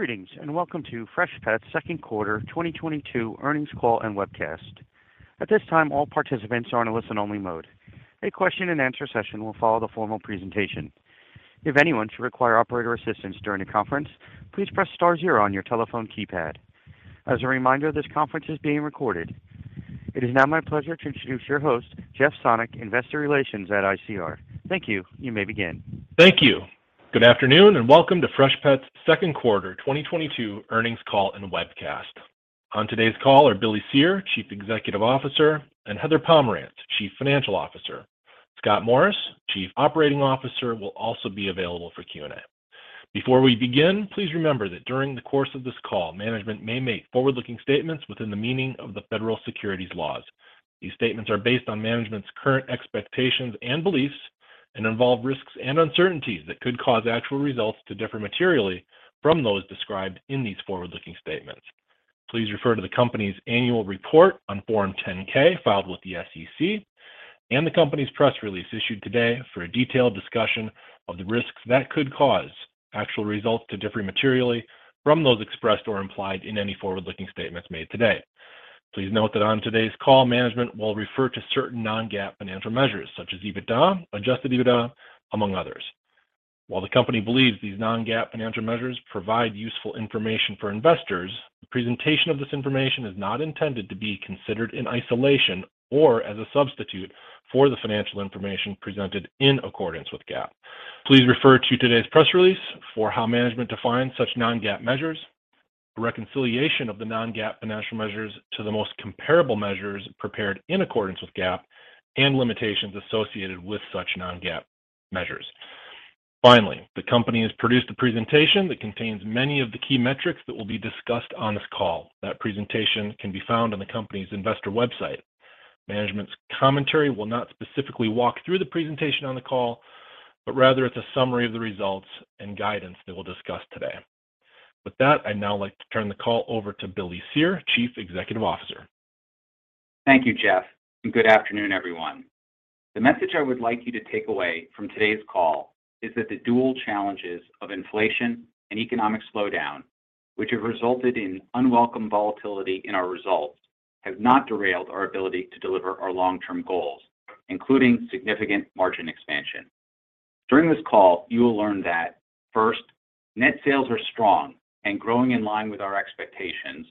Greetings, and welcome to Freshpet's second quarter 2022 earnings call and webcast. At this time, all participants are in a listen-only mode. A question and answer session will follow the formal presentation. If anyone should require operator assistance during the conference, please press start zero on your telephone keypad. As a reminder, this conference is being recorded. It is now my pleasure to introduce your host, Jeff Sonnek, Investor Relations at ICR. Thank you. You may begin. Thank you. Good afternoon, and welcome to Freshpet's second quarter 2022 earnings call and webcast. On today's call are Billy Cyr, Chief Executive Officer, and Heather Pomerantz, Chief Financial Officer. Scott Morris, Chief Operating Officer, will also be available for Q&A. Before we begin, please remember that during the course of this call, management may make forward-looking statements within the meaning of the federal securities laws. These statements are based on management's current expectations and beliefs and involve risks and uncertainties that could cause actual results to differ materially from those described in these forward-looking statements. Please refer to the company's annual report on Form 10-K filed with the SEC and the company's press release issued today for a detailed discussion of the risks that could cause actual results to differ materially from those expressed or implied in any forward-looking statements made today. Please note that on today's call, management will refer to certain non-GAAP financial measures such as EBITDA, adjusted EBITDA, among others. While the company believes these non-GAAP financial measures provide useful information for investors, the presentation of this information is not intended to be considered in isolation or as a substitute for the financial information presented in accordance with GAAP. Please refer to today's press release for how management defines such non-GAAP measures, a reconciliation of the non-GAAP financial measures to the most comparable measures prepared in accordance with GAAP and limitations associated with such non-GAAP measures. Finally, the company has produced a presentation that contains many of the key metrics that will be discussed on this call. That presentation can be found on the company's investor website. Management's commentary will not specifically walk through the presentation on the call, but rather it's a summary of the results and guidance that we'll discuss today. With that, I'd now like to turn the call over to Billy Cyr, Chief Executive Officer. Thank you, Jeff, and good afternoon, everyone. The message I would like you to take away from today's call is that the dual challenges of inflation and economic slowdown, which have resulted in unwelcome volatility in our results, have not derailed our ability to deliver our long-term goals, including significant margin expansion. During this call, you will learn that first, net sales are strong and growing in line with our expectations.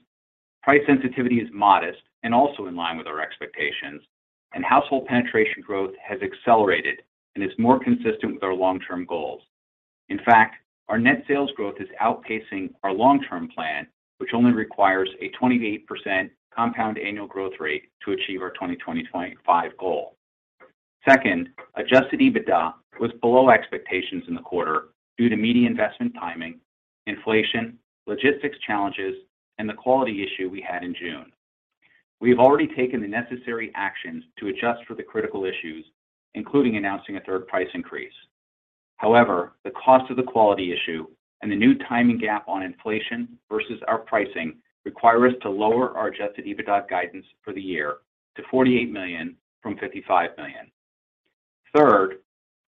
Price sensitivity is modest and also in line with our expectations, and household penetration growth has accelerated and is more consistent with our long-term goals. In fact, our net sales growth is outpacing our long-term plan, which only requires a 28% compound annual growth rate to achieve our 2025 goal. Second, adjusted EBITDA was below expectations in the quarter due to media investment timing, inflation, logistics challenges, and the quality issue we had in June. We have already taken the necessary actions to adjust for the critical issues, including announcing a third price increase. However, the cost of the quality issue and the new timing gap on inflation versus our pricing require us to lower our adjusted EBITDA guidance for the year to $48 million from $55 million. Third,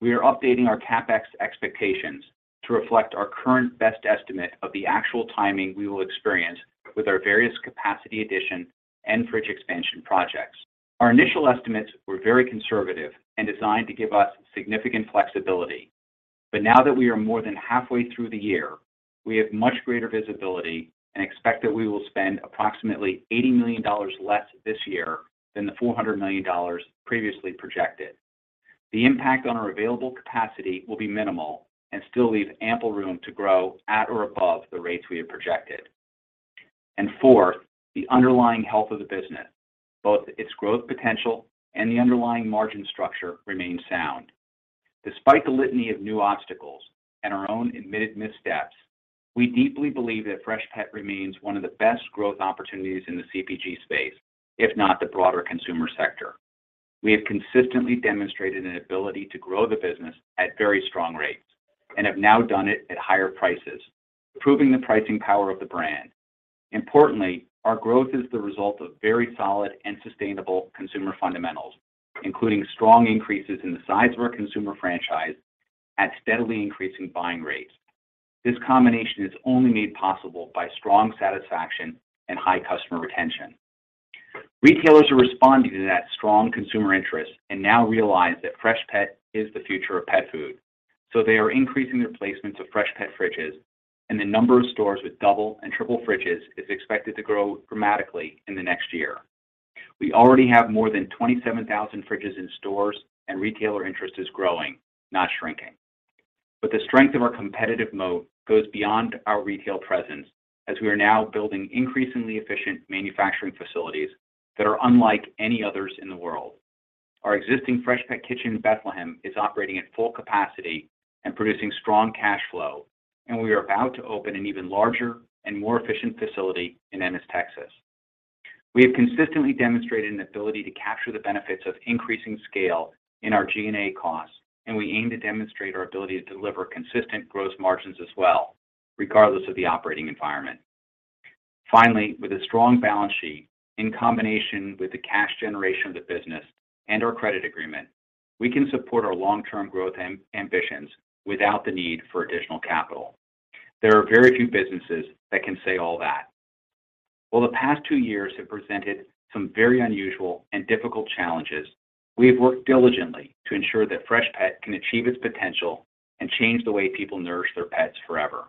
we are updating our CapEx expectations to reflect our current best estimate of the actual timing we will experience with our various capacity addition and fridge expansion projects. Our initial estimates were very conservative and designed to give us significant flexibility. Now that we are more than halfway through the year, we have much greater visibility and expect that we will spend approximately $80 million less this year than the $400 million previously projected. The impact on our available capacity will be minimal and still leave ample room to grow at or above the rates we have projected. Fourth, the underlying health of the business, both its growth potential and the underlying margin structure, remains sound. Despite the litany of new obstacles and our own admitted missteps, we deeply believe that Freshpet remains one of the best growth opportunities in the CPG space, if not the broader consumer sector. We have consistently demonstrated an ability to grow the business at very strong rates and have now done it at higher prices, proving the pricing power of the brand. Importantly, our growth is the result of very solid and sustainable consumer fundamentals, including strong increases in the size of our consumer franchise at steadily increasing buying rates. This combination is only made possible by strong satisfaction and high customer retention. Retailers are responding to that strong consumer interest and now realize that Freshpet is the future of pet food, so they are increasing their placements of Freshpet fridges, and the number of stores with double and triple fridges is expected to grow dramatically in the next year. We already have more than 27,000 fridges in stores, and retailer interest is growing, not shrinking. The strength of our competitive moat goes beyond our retail presence as we are now building increasingly efficient manufacturing facilities that are unlike any others in the world. Our existing Freshpet Kitchen in Bethlehem is operating at full capacity and producing strong cash flow, and we are about to open an even larger and more efficient facility in Ennis, Texas. We have consistently demonstrated an ability to capture the benefits of increasing scale in our G&A costs, and we aim to demonstrate our ability to deliver consistent growth margins as well, regardless of the operating environment. Finally, with a strong balance sheet in combination with the cash generation of the business and our credit agreement, we can support our long-term growth ambitions without the need for additional capital. There are very few businesses that can say all that. While the past two years have presented some very unusual and difficult challenges, we have worked diligently to ensure that Freshpet can achieve its potential and change the way people nourish their pets forever.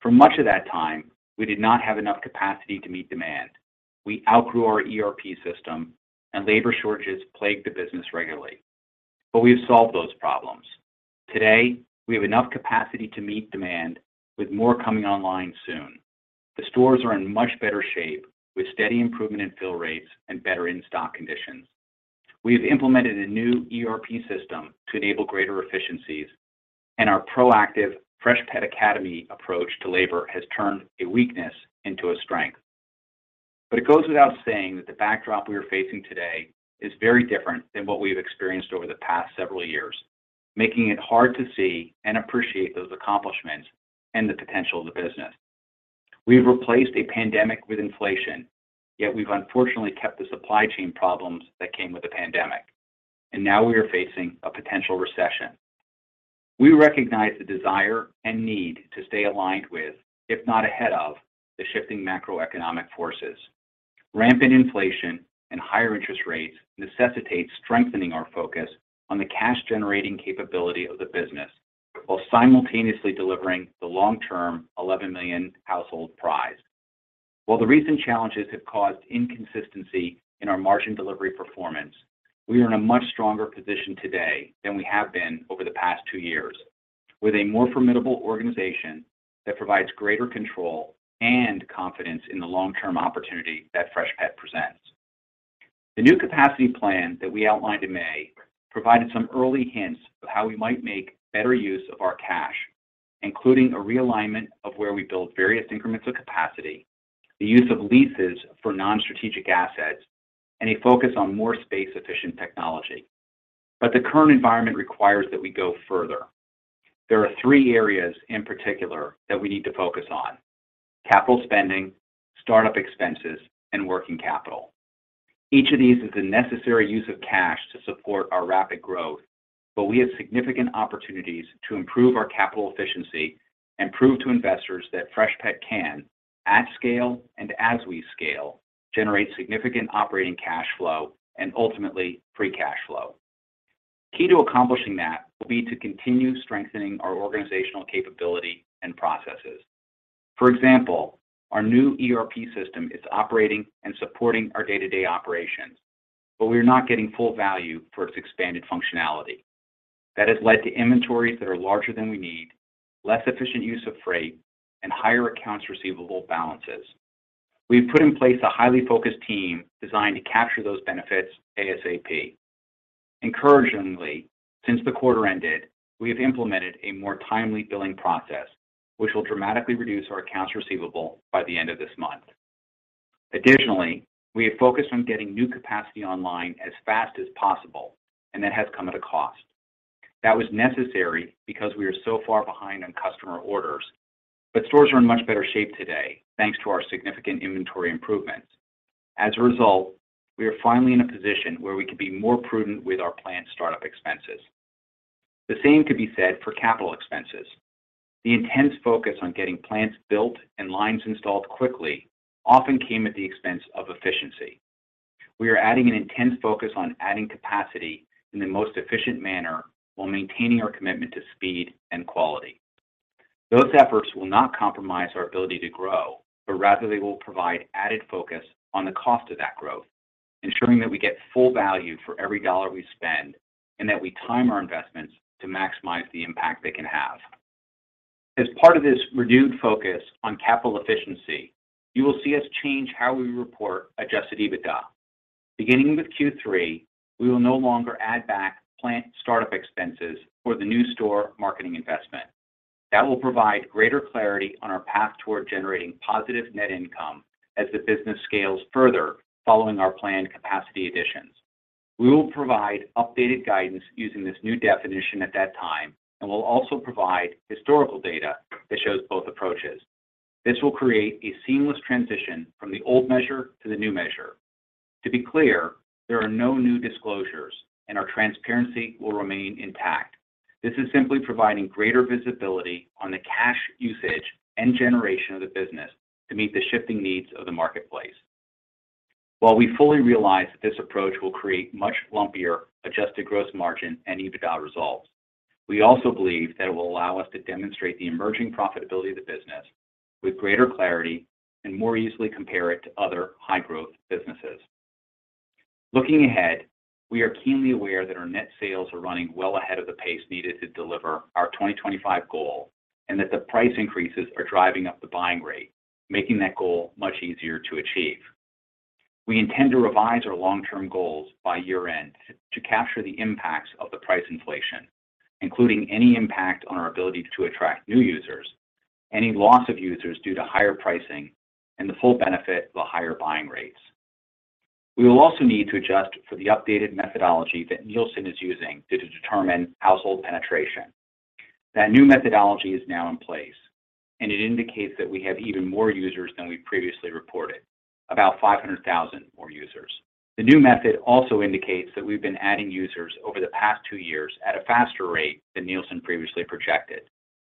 For much of that time, we did not have enough capacity to meet demand. We outgrew our ERP system and labor shortages plagued the business regularly. We've solved those problems. Today, we have enough capacity to meet demand with more coming online soon. The stores are in much better shape with steady improvement in fill rates and better in-stock conditions. We have implemented a new ERP system to enable greater efficiencies, and our proactive Freshpet Academy approach to labor has turned a weakness into a strength. It goes without saying that the backdrop we are facing today is very different than what we've experienced over the past several years, making it hard to see and appreciate those accomplishments and the potential of the business. We've replaced a pandemic with inflation, yet we've unfortunately kept the supply chain problems that came with the pandemic, and now we are facing a potential recession. We recognize the desire and need to stay aligned with, if not ahead of, the shifting macroeconomic forces. Rampant inflation and higher interest rates necessitate strengthening our focus on the cash-generating capability of the business while simultaneously delivering the long-term 11 million household prize. While the recent challenges have caused inconsistency in our margin delivery performance, we are in a much stronger position today than we have been over the past two years, with a more formidable organization that provides greater control and confidence in the long-term opportunity that Freshpet presents. The new capacity plan that we outlined in May provided some early hints of how we might make better use of our cash, including a realignment of where we build various increments of capacity, the use of leases for non-strategic assets, and a focus on more space-efficient technology. The current environment requires that we go further. There are three areas in particular that we need to focus on. Capital spending, startup expenses, and working capital. Each of these is a necessary use of cash to support our rapid growth, but we have significant opportunities to improve our capital efficiency and prove to investors that Freshpet can, at scale and as we scale, generate significant operating cash flow and ultimately, free cash flow. Key to accomplishing that will be to continue strengthening our organizational capability and processes. For example, our new ERP system is operating and supporting our day-to-day operations, but we are not getting full value for its expanded functionality. That has led to inventories that are larger than we need, less efficient use of freight, and higher accounts receivable balances. We've put in place a highly focused team designed to capture those benefits ASAP. Encouragingly, since the quarter ended, we have implemented a more timely billing process, which will dramatically reduce our accounts receivable by the end of this month. Additionally, we have focused on getting new capacity online as fast as possible, and that has come at a cost. That was necessary because we are so far behind on customer orders, but stores are in much better shape today, thanks to our significant inventory improvements. As a result, we are finally in a position where we can be more prudent with our planned startup expenses. The same could be said for capital expenses. The intense focus on getting plants built and lines installed quickly often came at the expense of efficiency. We are adding an intense focus on adding capacity in the most efficient manner while maintaining our commitment to speed and quality. Those efforts will not compromise our ability to grow, but rather they will provide added focus on the cost of that growth, ensuring that we get full value for every dollar we spend and that we time our investments to maximize the impact they can have. As part of this renewed focus on capital efficiency, you will see us change how we report adjusted EBITDA. Beginning with Q3, we will no longer add back plant startup expenses for the new store marketing investment. That will provide greater clarity on our path toward generating positive net income as the business scales further following our planned capacity additions. We will provide updated guidance using this new definition at that time, and we'll also provide historical data that shows both approaches. This will create a seamless transition from the old measure to the new measure. To be clear, there are no new disclosures, and our transparency will remain intact. This is simply providing greater visibility on the cash usage and generation of the business to meet the shifting needs of the marketplace. While we fully realize that this approach will create much lumpier adjusted gross margin and EBITDA results, we also believe that it will allow us to demonstrate the emerging profitability of the business with greater clarity and more easily compare it to other high-growth businesses. Looking ahead, we are keenly aware that our net sales are running well ahead of the pace needed to deliver our 2025 goal and that the price increases are driving up the buying rate, making that goal much easier to achieve. We intend to revise our long-term goals by year-end to capture the impacts of the price inflation, including any impact on our ability to attract new users, any loss of users due to higher pricing, and the full benefit of the higher buying rates. We will also need to adjust for the updated methodology that Nielsen is using to determine household penetration. That new methodology is now in place, and it indicates that we have even more users than we previously reported, about 500,000 more users. The new method also indicates that we've been adding users over the past two years at a faster rate than Nielsen previously projected,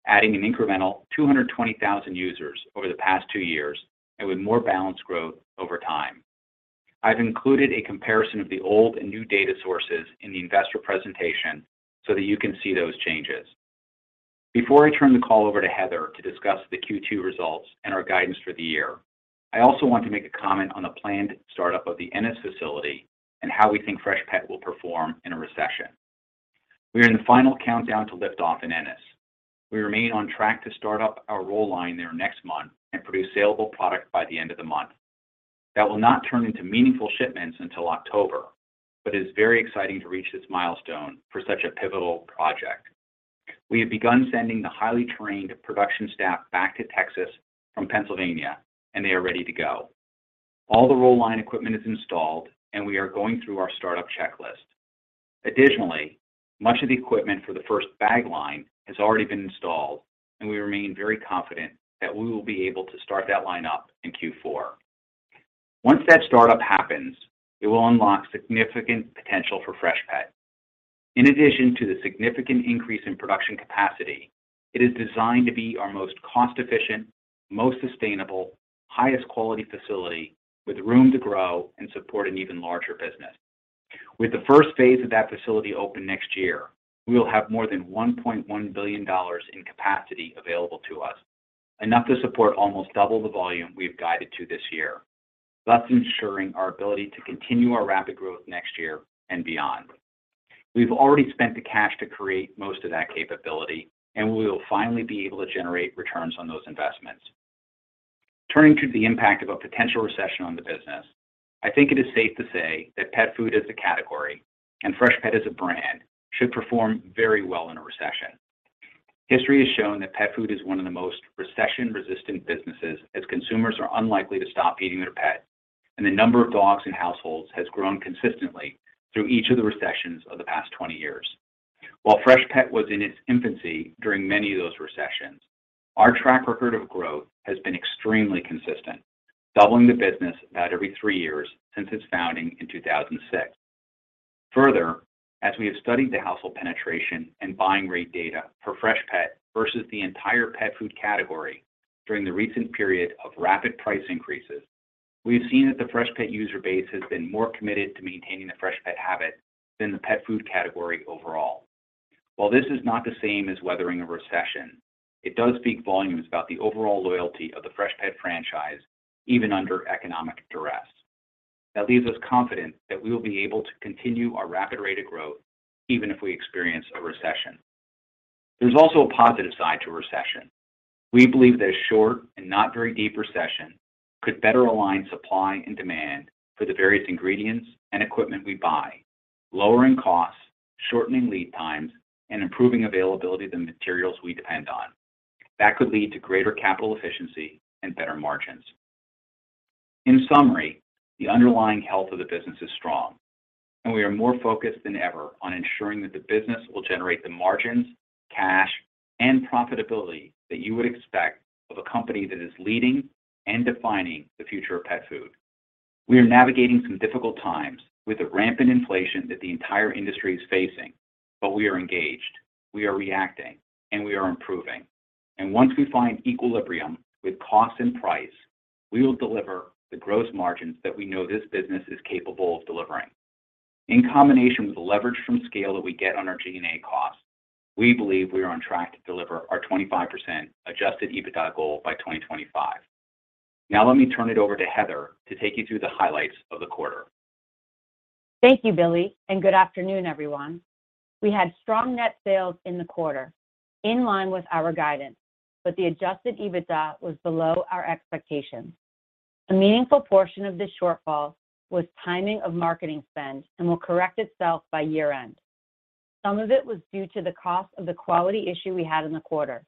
adding an incremental 220,000 users over the past two years and with more balanced growth over time. I've included a comparison of the old and new data sources in the investor presentation so that you can see those changes. Before I turn the call over to Heather to discuss the Q2 results and our guidance for the year, I also want to make a comment on the planned startup of the Ennis facility and how we think Freshpet will perform in a recession. We are in the final countdown to lift off in Ennis. We remain on track to start up our roll line there next month and produce saleable product by the end of the month. That will not turn into meaningful shipments until October, but it's very exciting to reach this milestone for such a pivotal project. We have begun sending the highly trained production staff back to Texas from Pennsylvania, and they are ready to go. All the roll line equipment is installed, and we are going through our startup checklist. Additionally, much of the equipment for the first bag line has already been installed, and we remain very confident that we will be able to start that line up in Q4. Once that startup happens, it will unlock significant potential for Freshpet. In addition to the significant increase in production capacity, it is designed to be our most cost-efficient, most sustainable, highest quality facility with room to grow and support an even larger business. With the first phase of that facility open next year, we will have more than $1.1 billion in capacity available to us, enough to support almost double the volume we have guided to this year, thus ensuring our ability to continue our rapid growth next year and beyond. We've already spent the cash to create most of that capability, and we will finally be able to generate returns on those investments. Turning to the impact of a potential recession on the business, I think it is safe to say that pet food as a category and Freshpet as a brand should perform very well in a recession. History has shown that pet food is one of the most recession-resistant businesses as consumers are unlikely to stop feeding their pet, and the number of dogs in households has grown consistently through each of the recessions of the past 20 years. While Freshpet was in its infancy during many of those recessions, our track record of growth has been extremely consistent, doubling the business about every three years since its founding in 2006. Further, as we have studied the household penetration and buying rate data for Freshpet versus the entire pet food category during the recent period of rapid price increases, we've seen that the Freshpet user base has been more committed to maintaining the Freshpet habit than the pet food category overall. While this is not the same as weathering a recession, it does speak volumes about the overall loyalty of the Freshpet franchise, even under economic duress. That leaves us confident that we will be able to continue our rapid rate of growth even if we experience a recession. There's also a positive side to a recession. We believe that a short and not very deep recession could better align supply and demand for the various ingredients and equipment we buy, lowering costs, shortening lead times, and improving availability of the materials we depend on. That could lead to greater capital efficiency and better margins. In summary, the underlying health of the business is strong, and we are more focused than ever on ensuring that the business will generate the margins, cash, and profitability that you would expect of a company that is leading and defining the future of pet food. We are navigating some difficult times with the rampant inflation that the entire industry is facing, but we are engaged, we are reacting, and we are improving. Once we find equilibrium with cost and price, we will deliver the gross margins that we know this business is capable of delivering. In combination with the leverage from scale that we get on our G&A costs, we believe we are on track to deliver our 25% adjusted EBITDA goal by 2025. Now let me turn it over to Heather to take you through the highlights of the quarter. Thank you, Billy, and good afternoon, everyone. We had strong net sales in the quarter, in line with our guidance, but the adjusted EBITDA was below our expectations. A meaningful portion of this shortfall was timing of marketing spend and will correct itself by year-end. Some of it was due to the cost of the quality issue we had in the quarter.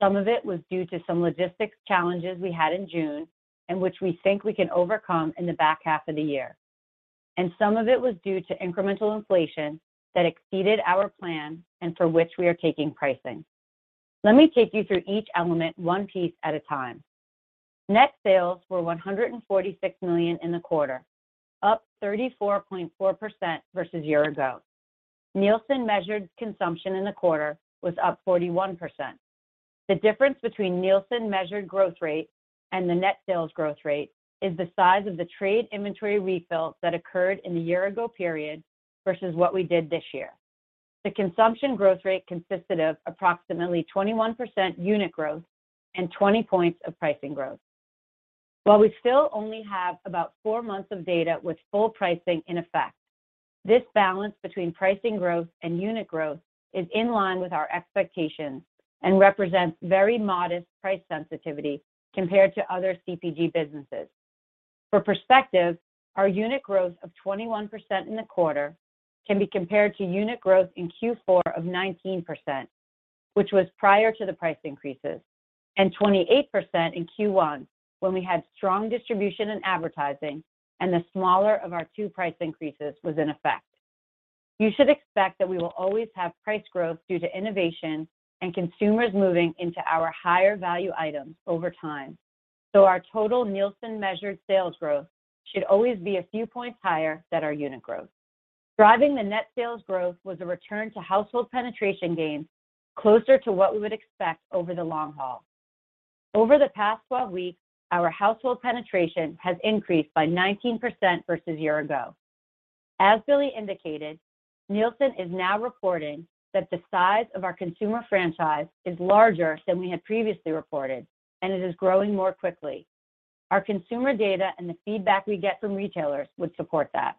Some of it was due to some logistics challenges we had in June, and which we think we can overcome in the back half of the year. Some of it was due to incremental inflation that exceeded our plan and for which we are taking pricing. Let me take you through each element one piece at a time. Net sales were $146 million in the quarter, up 34.4% versus year ago. Nielsen measured consumption in the quarter was up 41%. The difference between Nielsen measured growth rate and the net sales growth rate is the size of the trade inventory refills that occurred in the year ago period versus what we did this year. The consumption growth rate consisted of approximately 21% unit growth and 20 points of pricing growth. While we still only have about four months of data with full pricing in effect, this balance between pricing growth and unit growth is in line with our expectations and represents very modest price sensitivity compared to other CPG businesses. For perspective, our unit growth of 21% in the quarter can be compared to unit growth in Q4 of 19%, which was prior to the price increases, and 28% in Q1 when we had strong distribution and advertising and the smaller of our two price increases was in effect. You should expect that we will always have price growth due to innovation and consumers moving into our higher value items over time. Our total Nielsen-measured sales growth should always be a few points higher than our unit growth. Driving the net sales growth was a return to household penetration gains closer to what we would expect over the long haul. Over the past 12 weeks, our household penetration has increased by 19% versus year ago. As Billy indicated, Nielsen is now reporting that the size of our consumer franchise is larger than we had previously reported, and it is growing more quickly. Our consumer data and the feedback we get from retailers would support that.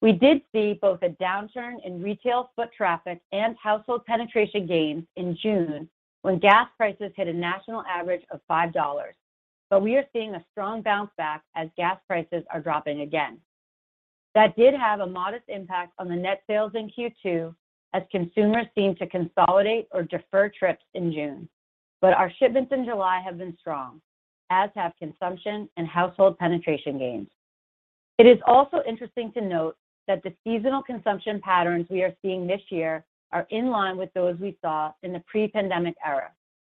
We did see both a downturn in retail foot traffic and household penetration gains in June when gas prices hit a national average of $5. We are seeing a strong bounce back as gas prices are dropping again. That did have a modest impact on the net sales in Q2 as consumers seemed to consolidate or defer trips in June. Our shipments in July have been strong, as have consumption and household penetration gains. It is also interesting to note that the seasonal consumption patterns we are seeing this year are in line with those we saw in the pre-pandemic era,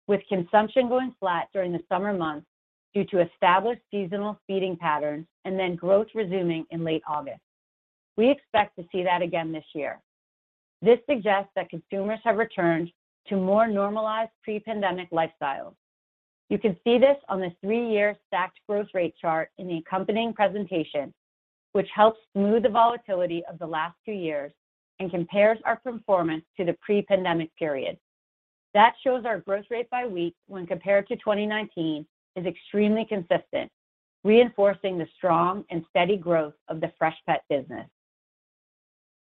with consumption going flat during the summer months due to established seasonal feeding patterns and then growth resuming in late August. We expect to see that again this year. This suggests that consumers have returned to more normalized pre-pandemic lifestyles. You can see this on the three-year stacked growth rate chart in the accompanying presentation, which helps smooth the volatility of the last two years and compares our performance to the pre-pandemic period. That shows our growth rate by week when compared to 2019 is extremely consistent, reinforcing the strong and steady growth of the Freshpet business.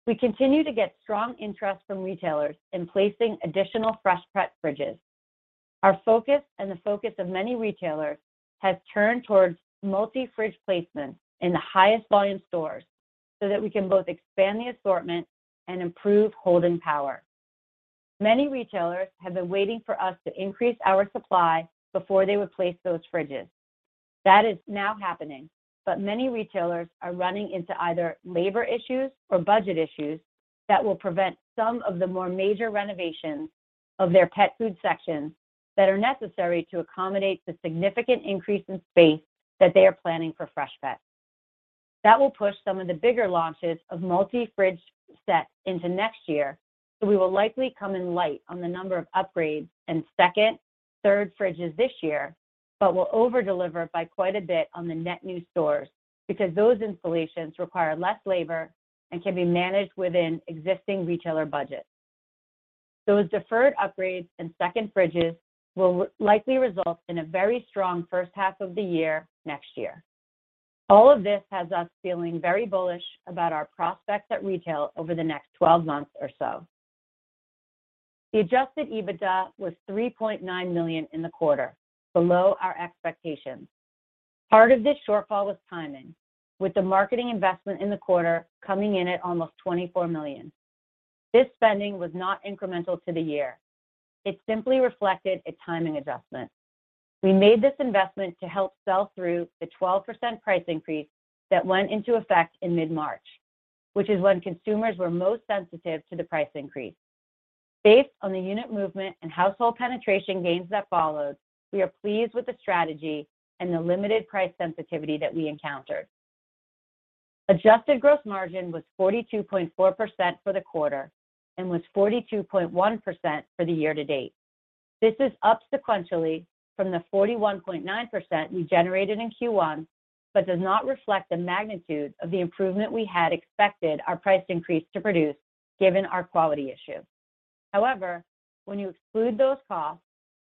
We continue to get strong interest from retailers in placing additional Freshpet fridges. Our focus and the focus of many retailers has turned towards multi-fridge placement in the highest volume stores so that we can both expand the assortment and improve holding power. Many retailers have been waiting for us to increase our supply before they would place those fridges. That is now happening, but many retailers are running into either labor issues or budget issues that will prevent some of the more major renovations of their pet food sections that are necessary to accommodate the significant increase in space that they are planning for Freshpet. That will push some of the bigger launches of multi-fridge sets into next year, so we will likely come in light on the number of upgrades and second, third fridges this year, but will over-deliver by quite a bit on the net new stores because those installations require less labor and can be managed within existing retailer budgets. Those deferred upgrades and second fridges will likely result in a very strong first half of the year next year. All of this has us feeling very bullish about our prospects at retail over the next 12 months or so. The adjusted EBITDA was $3.9 million in the quarter, below our expectations. Part of this shortfall was timing, with the marketing investment in the quarter coming in at almost $24 million. This spending was not incremental to the year. It simply reflected a timing adjustment. We made this investment to help sell through the 12% price increase that went into effect in mid-March, which is when consumers were most sensitive to the price increase. Based on the unit movement and household penetration gains that followed, we are pleased with the strategy and the limited price sensitivity that we encountered. Adjusted gross margin was 42.4% for the quarter and was 42.1% for the year to date. This is up sequentially from the 41.9% we generated in Q1, but does not reflect the magnitude of the improvement we had expected our price increase to produce given our quality issue. However, when you exclude those costs,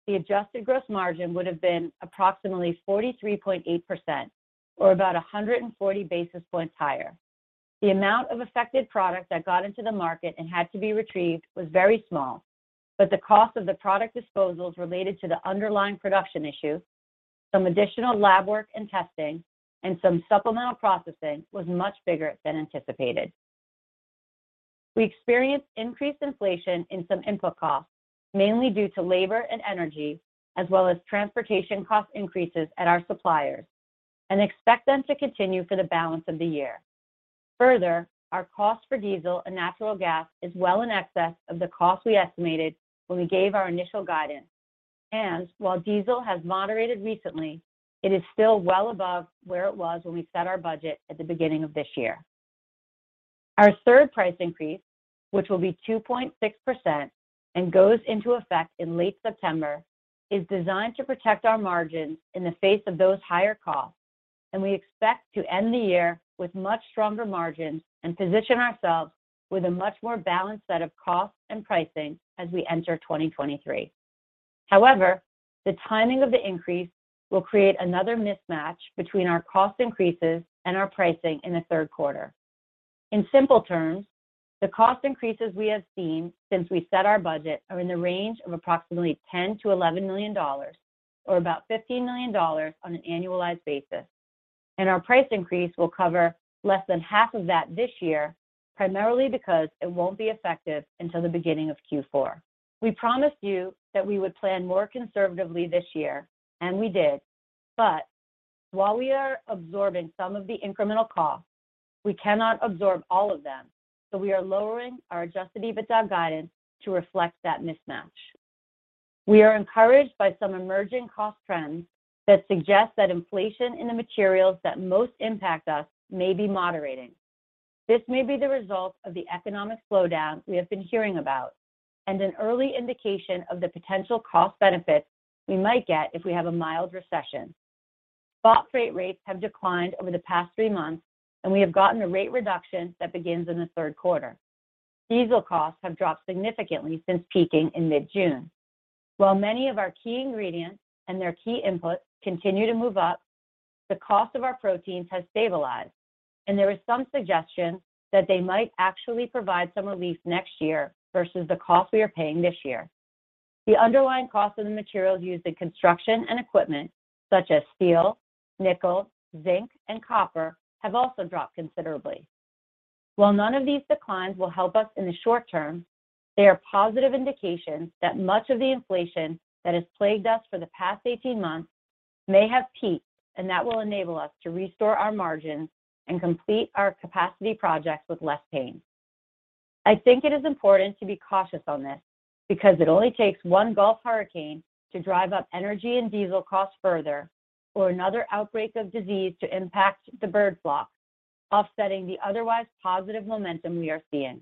the adjusted gross margin would have been approximately 43.8% or about 140 basis points higher. The amount of affected product that got into the market and had to be retrieved was very small, but the cost of the product disposals related to the underlying production issue, some additional lab work and testing, and some supplemental processing was much bigger than anticipated. We experienced increased inflation in some input costs, mainly due to labor and energy as well as transportation cost increases at our suppliers, and expect them to continue for the balance of the year. Further, our cost for diesel and natural gas is well in excess of the cost we estimated when we gave our initial guidance. While diesel has moderated recently, it is still well above where it was when we set our budget at the beginning of this year. Our third price increase, which will be 2.6% and goes into effect in late September, is designed to protect our margins in the face of those higher costs, and we expect to end the year with much stronger margins and position ourselves with a much more balanced set of costs and pricing as we enter 2023. However, the timing of the increase will create another mismatch between our cost increases and our pricing in the third quarter. In simple terms, the cost increases we have seen since we set our budget are in the range of approximately $10-$11 million or about $15 million on an annualized basis. Our price increase will cover less than half of that this year, primarily because it won't be effective until the beginning of Q4. We promised you that we would plan more conservatively this year, and we did. While we are absorbing some of the incremental costs, we cannot absorb all of them, so we are lowering our adjusted EBITDA guidance to reflect that mismatch. We are encouraged by some emerging cost trends that suggest that inflation in the materials that most impact us may be moderating. This may be the result of the economic slowdown we have been hearing about and an early indication of the potential cost benefits we might get if we have a mild recession. Spot freight rates have declined over the past three months, and we have gotten a rate reduction that begins in the third quarter. Diesel costs have dropped significantly since peaking in mid-June. While many of our key ingredients and their key inputs continue to move up, the cost of our proteins has stabilized, and there is some suggestion that they might actually provide some relief next year versus the cost we are paying this year. The underlying cost of the materials used in construction and equipment such as steel, nickel, zinc, and copper have also dropped considerably. While none of these declines will help us in the short term, they are positive indications that much of the inflation that has plagued us for the past eighteen months may have peaked, and that will enable us to restore our margins and complete our capacity projects with less pain. I think it is important to be cautious on this because it only takes one Gulf hurricane to drive up energy and diesel costs further or another outbreak of disease to impact the bird flock, offsetting the otherwise positive momentum we are seeing.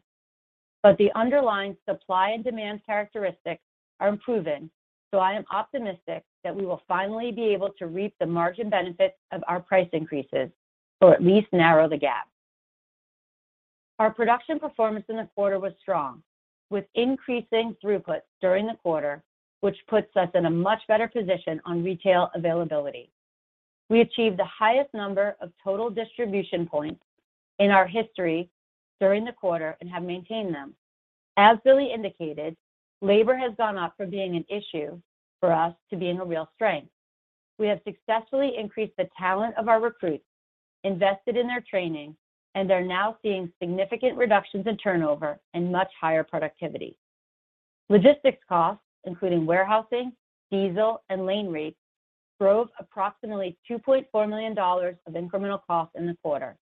The underlying supply and demand characteristics are improving, so I am optimistic that we will finally be able to reap the margin benefits of our price increases or at least narrow the gap. Our production performance in the quarter was strong, with increasing throughput during the quarter, which puts us in a much better position on retail availability. We achieved the highest number of total distribution points in our history during the quarter and have maintained them. As Billy indicated, labor has gone up from being an issue for us to being a real strength. We have successfully increased the talent of our recruits, invested in their training, and are now seeing significant reductions in turnover and much higher productivity. Logistics costs, including warehousing, diesel, and lane rates, drove approximately $2.4 million of incremental costs in the quarter.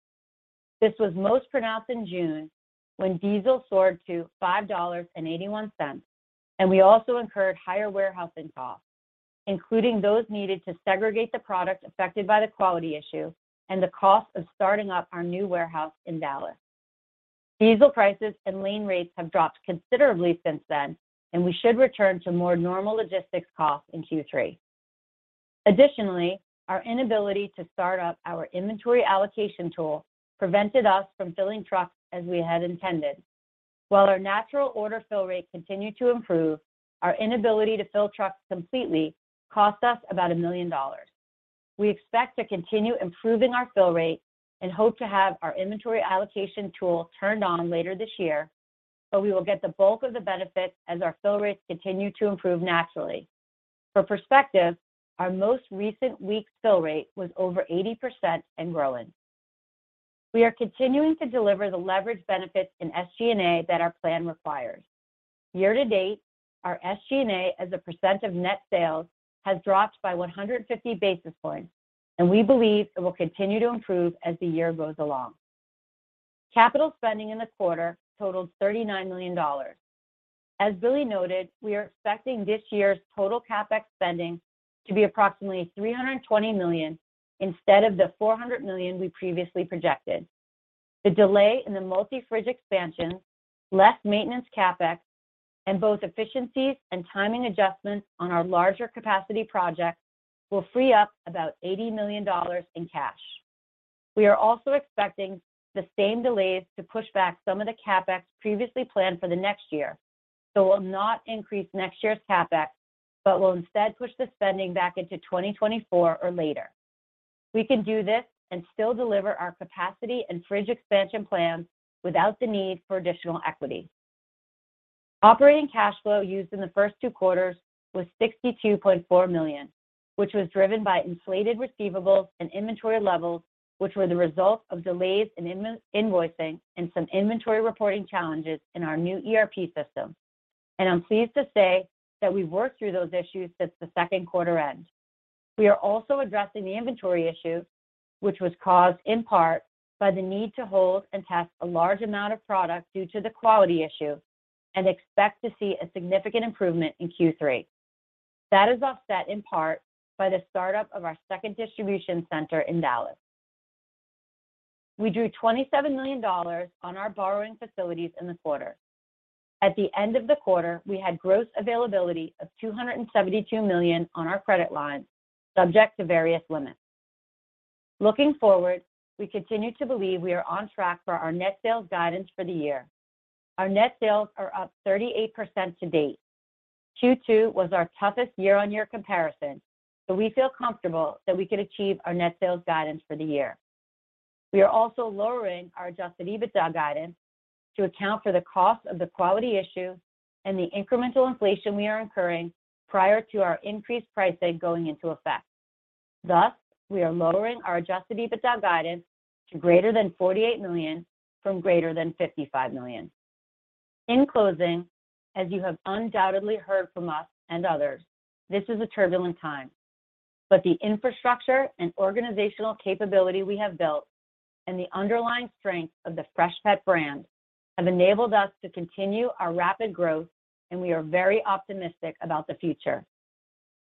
This was most pronounced in June when diesel soared to $5.81, and we also incurred higher warehousing costs, including those needed to segregate the product affected by the quality issue and the cost of starting up our new warehouse in Dallas. Diesel prices and lane rates have dropped considerably since then, and we should return to more normal logistics costs in Q3. Additionally, our inability to start up our inventory allocation tool prevented us from filling trucks as we had intended. While our natural order fill rate continued to improve, our inability to fill trucks completely cost us about $1 million. We expect to continue improving our fill rate and hope to have our inventory allocation tool turned on later this year, but we will get the bulk of the benefits as our fill rates continue to improve naturally. For perspective, our most recent week fill rate was over 80% and growing. We are continuing to deliver the leverage benefits in SG&A that our plan requires. Year to date, our SG&A as a percent of net sales has dropped by 150 basis points, and we believe it will continue to improve as the year goes along. Capital spending in the quarter totaled $39 million. As Billy noted, we are expecting this year's total CapEx spending to be approximately $320 million instead of the $400 million we previously projected. The delay in the multi-fridge expansion, less maintenance CapEx, and both efficiencies and timing adjustments on our larger capacity projects will free up about $80 million in cash. We are also expecting the same delays to push back some of the CapEx previously planned for the next year. Will not increase next year's CapEx, but will instead push the spending back into 2024 or later. We can do this and still deliver our capacity and fridge expansion plans without the need for additional equity. Operating cash flow used in the first two quarters was $62.4 million, which was driven by inflated receivables and inventory levels, which were the result of delays in invoicing and some inventory reporting challenges in our new ERP system. I'm pleased to say that we've worked through those issues since the second quarter end. We are also addressing the inventory issue, which was caused in part by the need to hold and test a large amount of product due to the quality issue and expect to see a significant improvement in Q3. That is offset in part by the startup of our second distribution center in Dallas. We drew $27 million on our borrowing facilities in the quarter. At the end of the quarter, we had gross availability of $272 million on our credit line, subject to various limits. Looking forward, we continue to believe we are on track for our net sales guidance for the year. Our net sales are up 38% to date. Q2 was our toughest year-on-year comparison, but we feel comfortable that we can achieve our net sales guidance for the year. We are also lowering our adjusted EBITDA guidance to account for the cost of the quality issue and the incremental inflation we are incurring prior to our increased pricing going into effect. Thus, we are lowering our adjusted EBITDA guidance to greater than $48 million from greater than $55 million. In closing, as you have undoubtedly heard from us and others, this is a turbulent time. The infrastructure and organizational capability we have built and the underlying strength of the Freshpet brand have enabled us to continue our rapid growth, and we are very optimistic about the future.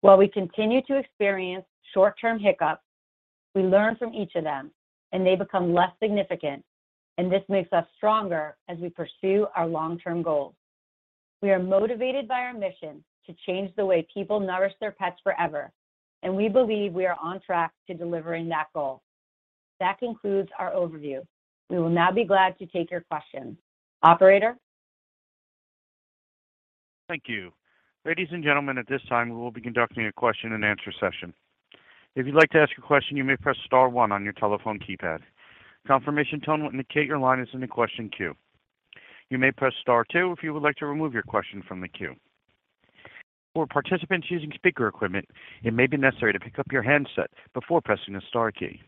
While we continue to experience short-term hiccups, we learn from each of them, and they become less significant, and this makes us stronger as we pursue our long-term goals. We are motivated by our mission to change the way people nourish their pets forever, and we believe we are on track to delivering that goal. That concludes our overview. We will now be glad to take your questions. Operator? Thank you. Ladies and gentlemen, at this time, we will be conducting a question and answer session. If you'd like to ask a question, you may press star one on your telephone keypad. Confirmation tone will indicate your line is in the question queue. You may press star two if you would like to remove your question from the queue. For participants using speaker equipment, it may be necessary to pick up your handset before pressing the star key.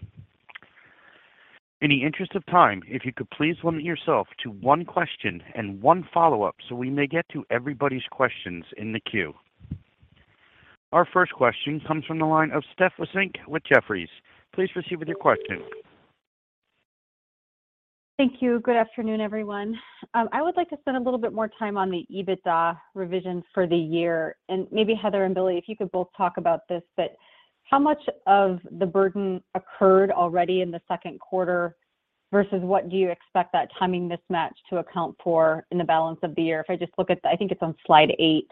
In the interest of time, if you could please limit yourself to one question and one follow-up so we may get to everybody's questions in the queue. Our first question comes from the line of Stephanie Wissink with Jefferies. Please proceed with your question. Thank you. Good afternoon, everyone. I would like to spend a little bit more time on the EBITDA revision for the year. Maybe Heather and Billy, if you could both talk about this, but how much of the burden occurred already in the second quarter versus what do you expect that timing mismatch to account for in the balance of the year? If I just look at, I think it's on slide 8,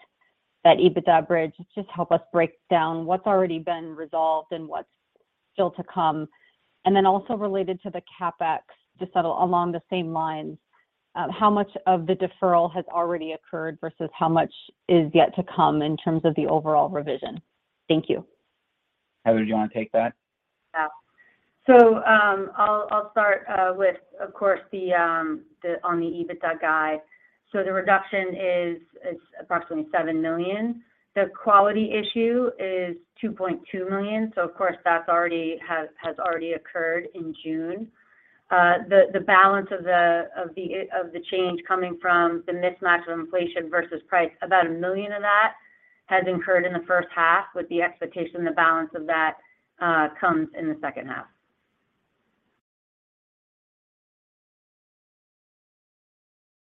that EBITDA bridge, just help us break down what's already been resolved and what's still to come. Then also related to the CapEx, just similar along the same lines, how much of the deferral has already occurred versus how much is yet to come in terms of the overall revision? Thank you. Heather, do you wanna take that? I'll start, of course, on the EBITDA guide. The reduction is approximately $7 million. The quality issue is $2.2 million, so of course, that's already occurred in June. The balance of the change coming from the mismatch of inflation versus price, about $1 million of that has incurred in the first half with the expectation the balance of that comes in the second half.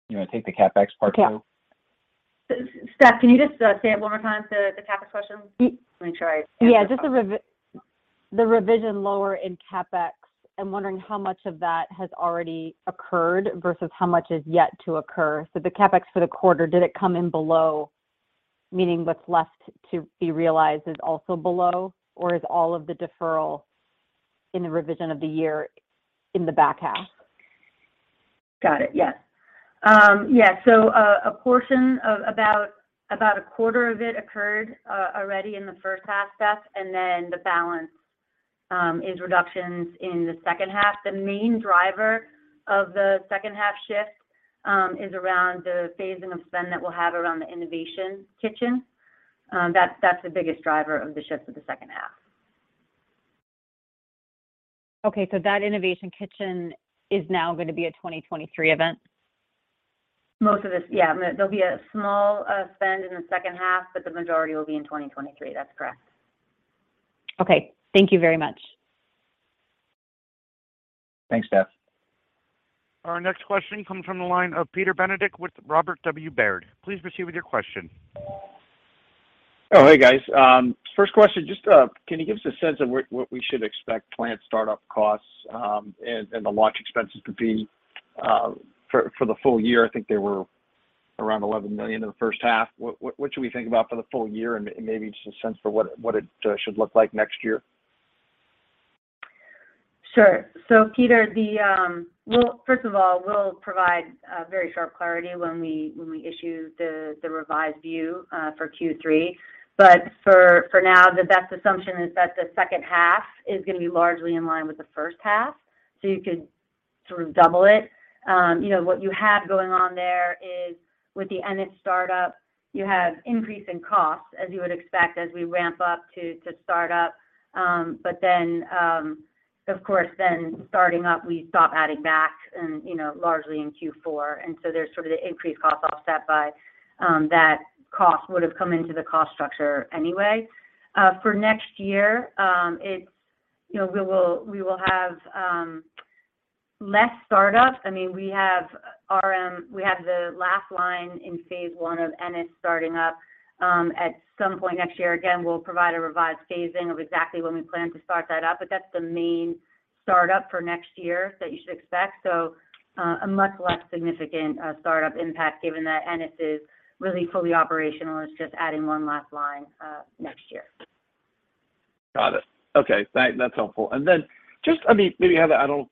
You wanna take the CapEx part too? Yeah. Steph, can you just say it one more time, the CapEx question? Yeah, just the revision lower in CapEx. I'm wondering how much of that has already occurred versus how much is yet to occur. The CapEx for the quarter, did it come in below, meaning what's left to be realized is also below, or is all of the deferral in the revision of the year in the back half? Got it. Yes. A portion of about a quarter of it occurred already in the first half, Steph, and then the balance is reductions in the second half. The main driver of the second half shift is around the phasing of spend that we'll have around the Innovation Kitchen. That's the biggest driver of the shift of the second half. Okay, that Innovation Kitchen is now gonna be a 2023 event? Most of this, yeah. There'll be a small spend in the second half, but the majority will be in 2023. That's correct. Okay. Thank you very much. Thanks, Steph. Our next question comes from the line of Peter Benedict with Robert W. Baird. Please proceed with your question. Oh, hey, guys. First question, just, can you give us a sense of what we should expect plant startup costs, and the launch expenses to be, for the full year? I think they were around $11 million in the first half. What should we think about for the full year and maybe just a sense for what it should look like next year? Sure. Peter, well, first of all, we'll provide very sharp clarity when we issue the revised view for Q3. For now, the best assumption is that the second half is gonna be largely in line with the first half. You could sort of double it. You know, what you have going on there is with the Ennis startup, you have increase in costs, as you would expect, as we ramp up to start up. But then, of course, then starting up, we stop adding back and, you know, largely in Q4. There's sort of the increased cost offset by that cost would have come into the cost structure anyway. For next year, it's, you know, we will have less startups. I mean, we have RM, we have the last line in phase one of Ennis starting up at some point next year. Again, we'll provide a revised phasing of exactly when we plan to start that up, but that's the main startup for next year that you should expect. A much less significant startup impact given that Ennis is really fully operational. It's just adding one last line next year. Got it. Okay. That's helpful. Just, I mean, maybe, Heather, I don't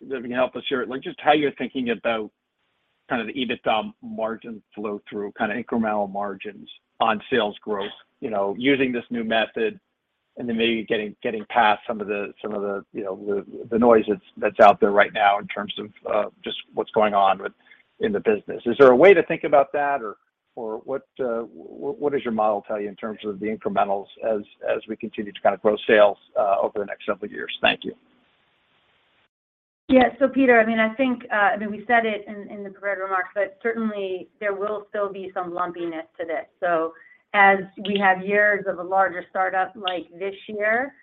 know if you can help us here. Like, just how you're thinking about kind of the EBITDA margin flow through, kind of incremental margins on sales growth, you know, using this new method and then maybe getting past some of the, you know, the noise that's out there right now in terms of just what's going on in the business. Is there a way to think about that or what does your model tell you in terms of the incrementals as we continue to kind of grow sales over the next several years? Thank you. Yeah. Peter, I mean, I think, I mean we said it in the prepared remarks, but certainly there will still be some lumpiness to this. As we have years of a larger startup like this year,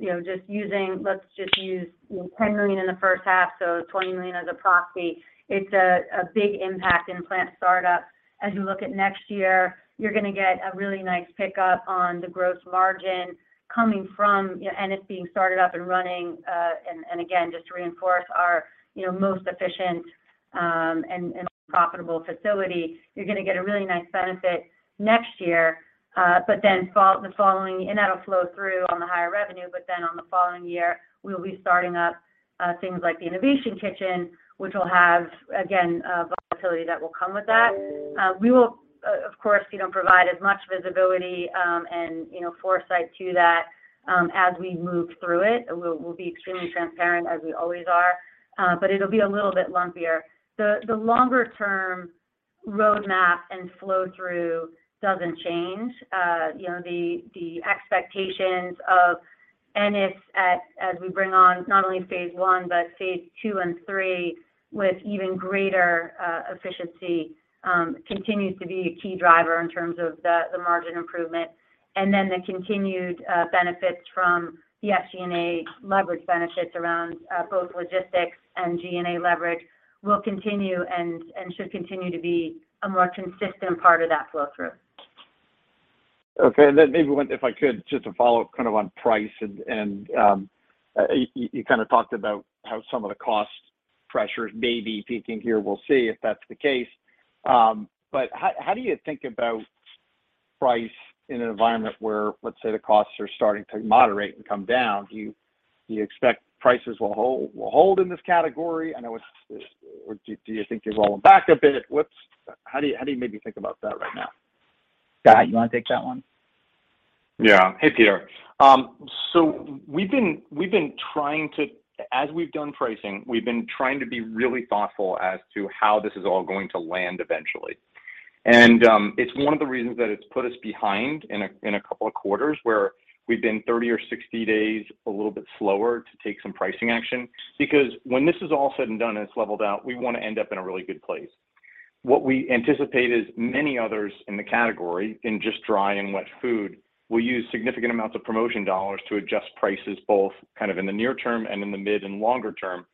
you know, just using, let's just use, you know, $10 million in the first half, so $20 million as a proxy, it's a big impact in plant startup. As you look at next year, you're gonna get a really nice pickup on the gross margin coming from Ennis being started up and running. And again, just to reinforce our, you know, most efficient and profitable facility, you're gonna get a really nice benefit next year. But then the following... That'll flow through on the higher revenue, but then on the following year we'll be starting up things like the Innovation Kitchen, which will have, again, volatility that will come with that. We will, of course, you know, provide as much visibility and, you know, foresight to that as we move through it. We'll be extremely transparent as we always are, but it'll be a little bit lumpier. The longer term roadmap and flow through doesn't change. You know, the expectations of Ennis, as we bring on not only phase one, but phase two and three with even greater efficiency, continues to be a key driver in terms of the margin improvement. Then the continued benefits from the SG&A leverage benefits around both logistics and G&A leverage will continue and should continue to be a more consistent part of that flow through. Okay. Maybe one, if I could, just to follow up kind of on price and you kind of talked about how some of the cost pressures may be peaking here. We'll see if that's the case. How do you think about price in an environment where, let's say, the costs are starting to moderate and come down? Do you expect prices will hold in this category? Or do you think you're rolling back a bit? How do you maybe think about that right now? Scott, you wanna take that one? Yeah. Hey, Peter. So we've been trying to be really thoughtful as to how this is all going to land eventually. It's one of the reasons that it's put us behind in a couple of quarters where we've been 30 or 60 days a little bit slower to take some pricing action, because when this is all said and done and it's leveled out, we want to end up in a really good place. What we anticipate is many others in the category, in just dry and wet food, will use significant amounts of promotion dollars to adjust prices both kind of in the near term and in the mid and longer term.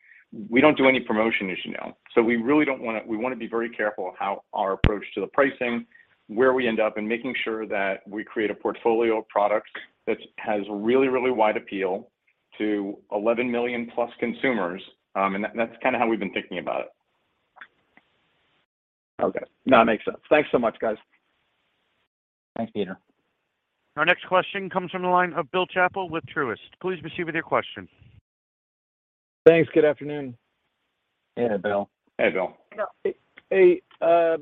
We don't do any promotion, as you know. We wanna be very careful how our approach to the pricing, where we end up, and making sure that we create a portfolio of products that has really, really wide appeal to 11 million plus consumers. That, that's kinda how we've been thinking about it. Okay. No, it makes sense. Thanks so much, guys. Thanks, Peter. Our next question comes from the line of Bill Chappell with Truist. Please proceed with your question. Thanks. Good afternoon. Hey, Bill. Hey, Bill. Hey, I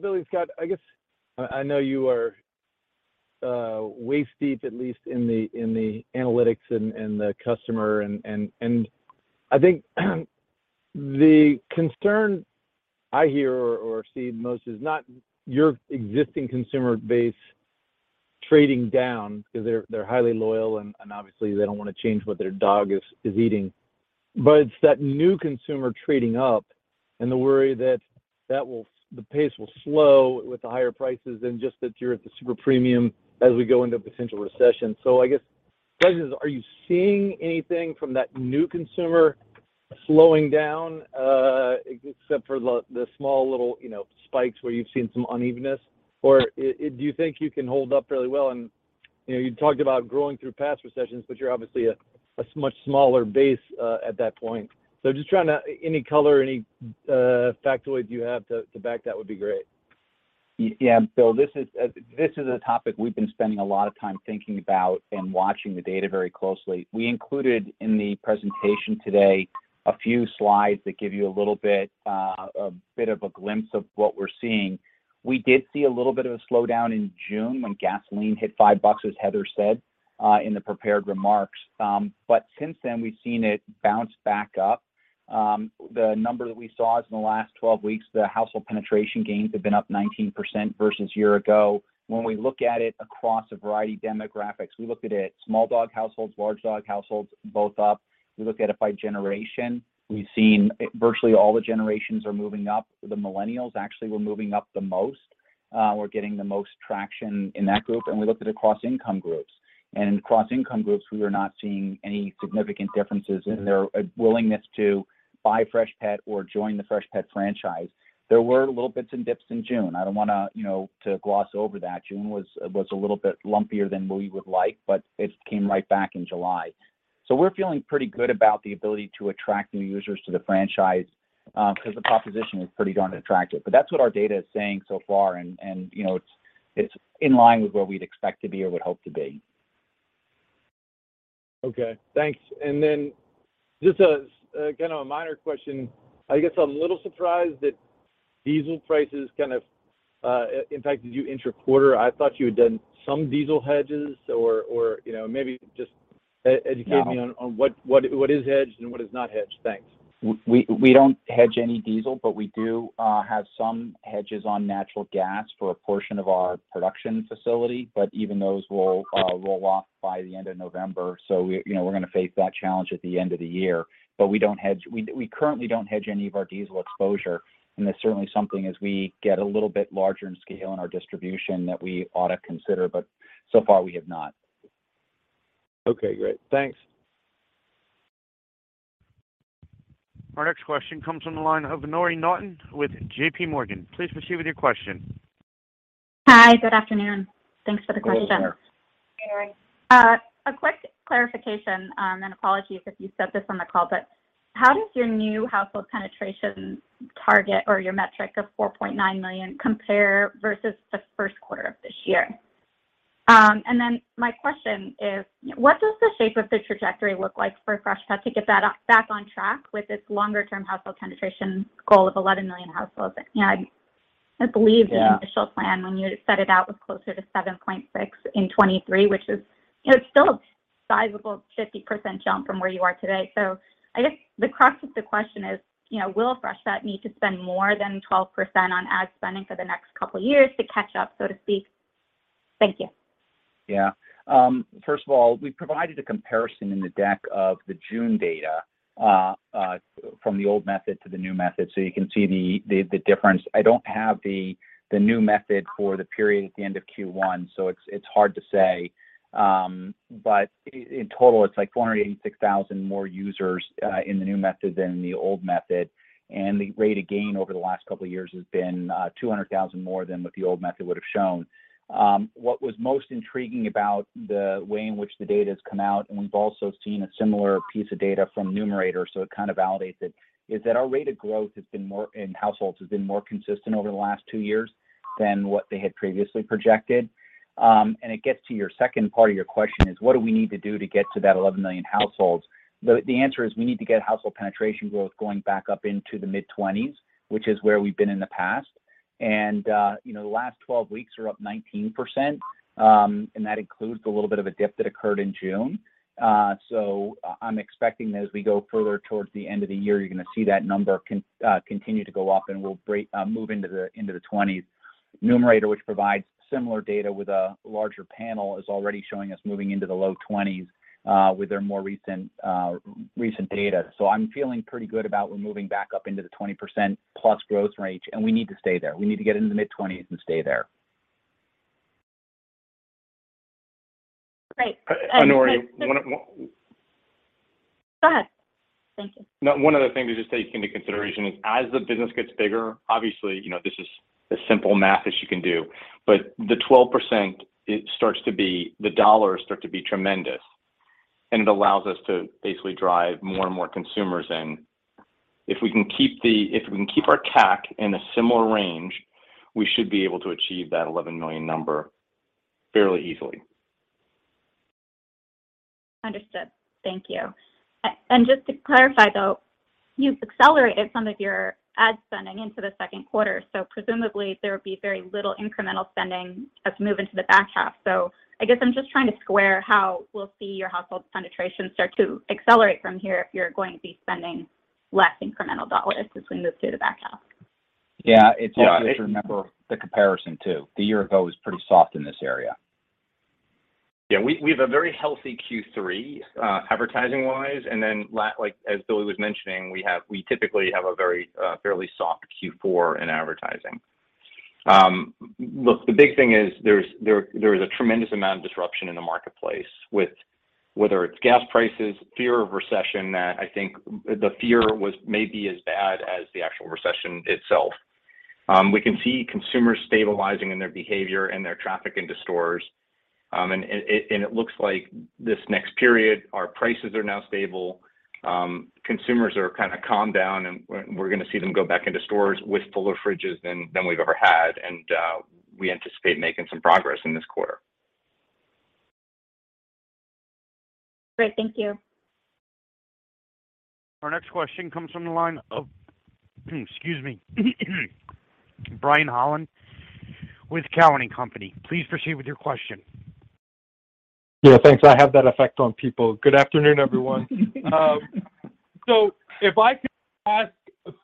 guess I know you are waist deep, at least in the analytics and the customer and I think the concern I hear or see most is not your existing consumer base trading down because they're highly loyal and obviously they don't wanna change what their dog is eating. It's that new consumer trading up and the worry that the pace will slow with the higher prices and just that you're at the super premium as we go into potential recession. I guess question is, are you seeing anything from that new consumer slowing down, except for the small little, you know, spikes where you've seen some unevenness? Do you think you can hold up fairly well and, you know, you talked about growing through past recessions, but you're obviously a much smaller base at that point. Any color, any factoid you have to back that would be great. Yeah, Bill, this is a topic we've been spending a lot of time thinking about and watching the data very closely. We included in the presentation today a few slides that give you a little bit of a glimpse of what we're seeing. We did see a little bit of a slowdown in June when gasoline hit $5, as Heather said in the prepared remarks. Since then we've seen it bounce back up. The number that we saw is in the last 12 weeks, the household penetration gains have been up 19% versus year ago. When we look at it across a variety of demographics, we looked at it small dog households, large dog households, both up. We looked at it by generation. We've seen virtually all the generations are moving up. The millennials actually were moving up the most. We're getting the most traction in that group. We looked at across income groups. Across income groups, we are not seeing any significant differences in their willingness to buy Freshpet or join the Freshpet franchise. There were little bits and dips in June. I don't wanna, you know, to gloss over that. June was a little bit lumpier than we would like, but it came right back in July. We're feeling pretty good about the ability to attract new users to the franchise, 'cause the proposition is pretty darn attractive. That's what our data is saying so far and, you know, it's in line with where we'd expect to be or would hope to be. Okay, thanks. Just a kind of a minor question. I guess I'm a little surprised that diesel prices kind of impacted you intra-quarter. I thought you had done some diesel hedges or you know, maybe just educate me on. on what is hedged and what is not hedged. Thanks. We don't hedge any diesel, but we do have some hedges on natural gas for a portion of our production facility, but even those will roll off by the end of November. We, you know, we're gonna face that challenge at the end of the year. We don't hedge. We currently don't hedge any of our diesel exposure, and that's certainly something as we get a little bit larger in scale in our distribution that we ought to consider, but so far we have not. Okay, great. Thanks. Our next question comes from the line of Ken Goldman with J.P. Morgan. Please proceed with your question. Hi, good afternoon. Thanks for the question. Good afternoon. A quick clarification, and apologies if you said this on the call, but how does your new household penetration target or your metric of 4.9 million compare versus the first quarter of this year? My question is, what does the shape of the trajectory look like for Freshpet to get that back on track with its longer term household penetration goal of 11 million households? Yeah The initial plan when you set it out was closer to 7.6 in 2023, which is, you know, still a sizable 50% jump from where you are today. I guess the crux of the question is, you know, will Freshpet need to spend more than 12% on ad spending for the next couple of years to catch up, so to speak? Thank you. Yeah. First of all, we provided a comparison in the deck of the June data from the old method to the new method. You can see the difference. I don't have the new method for the period at the end of Q1, so it's hard to say. In total it's like 486,000 more users in the new method than in the old method. The rate of gain over the last couple of years has been 200,000 more than what the old method would have shown. What was most intriguing about the way in which the data has come out, and we've also seen a similar piece of data from Numerator, so it kind of validates it, is that our rate of growth has been more consistent over the last two years than what they had previously projected. It gets to your second part of your question is what do we need to do to get to that 11 million households? The answer is we need to get household penetration growth going back up into the mid-20s%, which is where we've been in the past. You know, the last 12 weeks are up 19%, and that includes the little bit of a dip that occurred in June. I'm expecting as we go further towards the end of the year, you're gonna see that number continue to go up and we'll move into the 20s. Numerator, which provides similar data with a larger panel, is already showing us moving into the low 20s with their more recent data. I'm feeling pretty good about we're moving back up into the 20%+ growth range, and we need to stay there. We need to get into the mid-20s and stay there. Great. one of Go ahead. No, one other thing to just take into consideration is as the business gets bigger, obviously, you know, this is the simple math as you can do. The 12%, it starts to be, the dollars start to be tremendous. It allows us to basically drive more and more consumers in. If we can keep our CAC in a similar range, we should be able to achieve that 11 million number fairly easily. Understood. Thank you. Just to clarify, though, you've accelerated some of your ad spending into the second quarter. Presumably there would be very little incremental spending as we move into the back half. I guess I'm just trying to square how we'll see your household penetration start to accelerate from here if you're going to be spending less incremental dollars as we move through the back half. Yeah. It's also if you remember the comparison too. The year ago was pretty soft in this area. Yeah. We have a very healthy Q3 advertising wise. Then like as Billy was mentioning, we typically have a very fairly soft Q4 in advertising. Look, the big thing is there is a tremendous amount of disruption in the marketplace with whether it's gas prices, fear of recession. I think the fear was maybe as bad as the actual recession itself. We can see consumers stabilizing in their behavior and their traffic into stores. It looks like this next period, our prices are now stable. Consumers are kind of calmed down, and we're gonna see them go back into stores with fuller fridges than we've ever had. We anticipate making some progress in this quarter. Great. Thank you. Our next question comes from the line of, excuse me, Brian Holland with Cowen and Company. Please proceed with your question. Yeah, thanks. I have that effect on people. Good afternoon, everyone. So if I could ask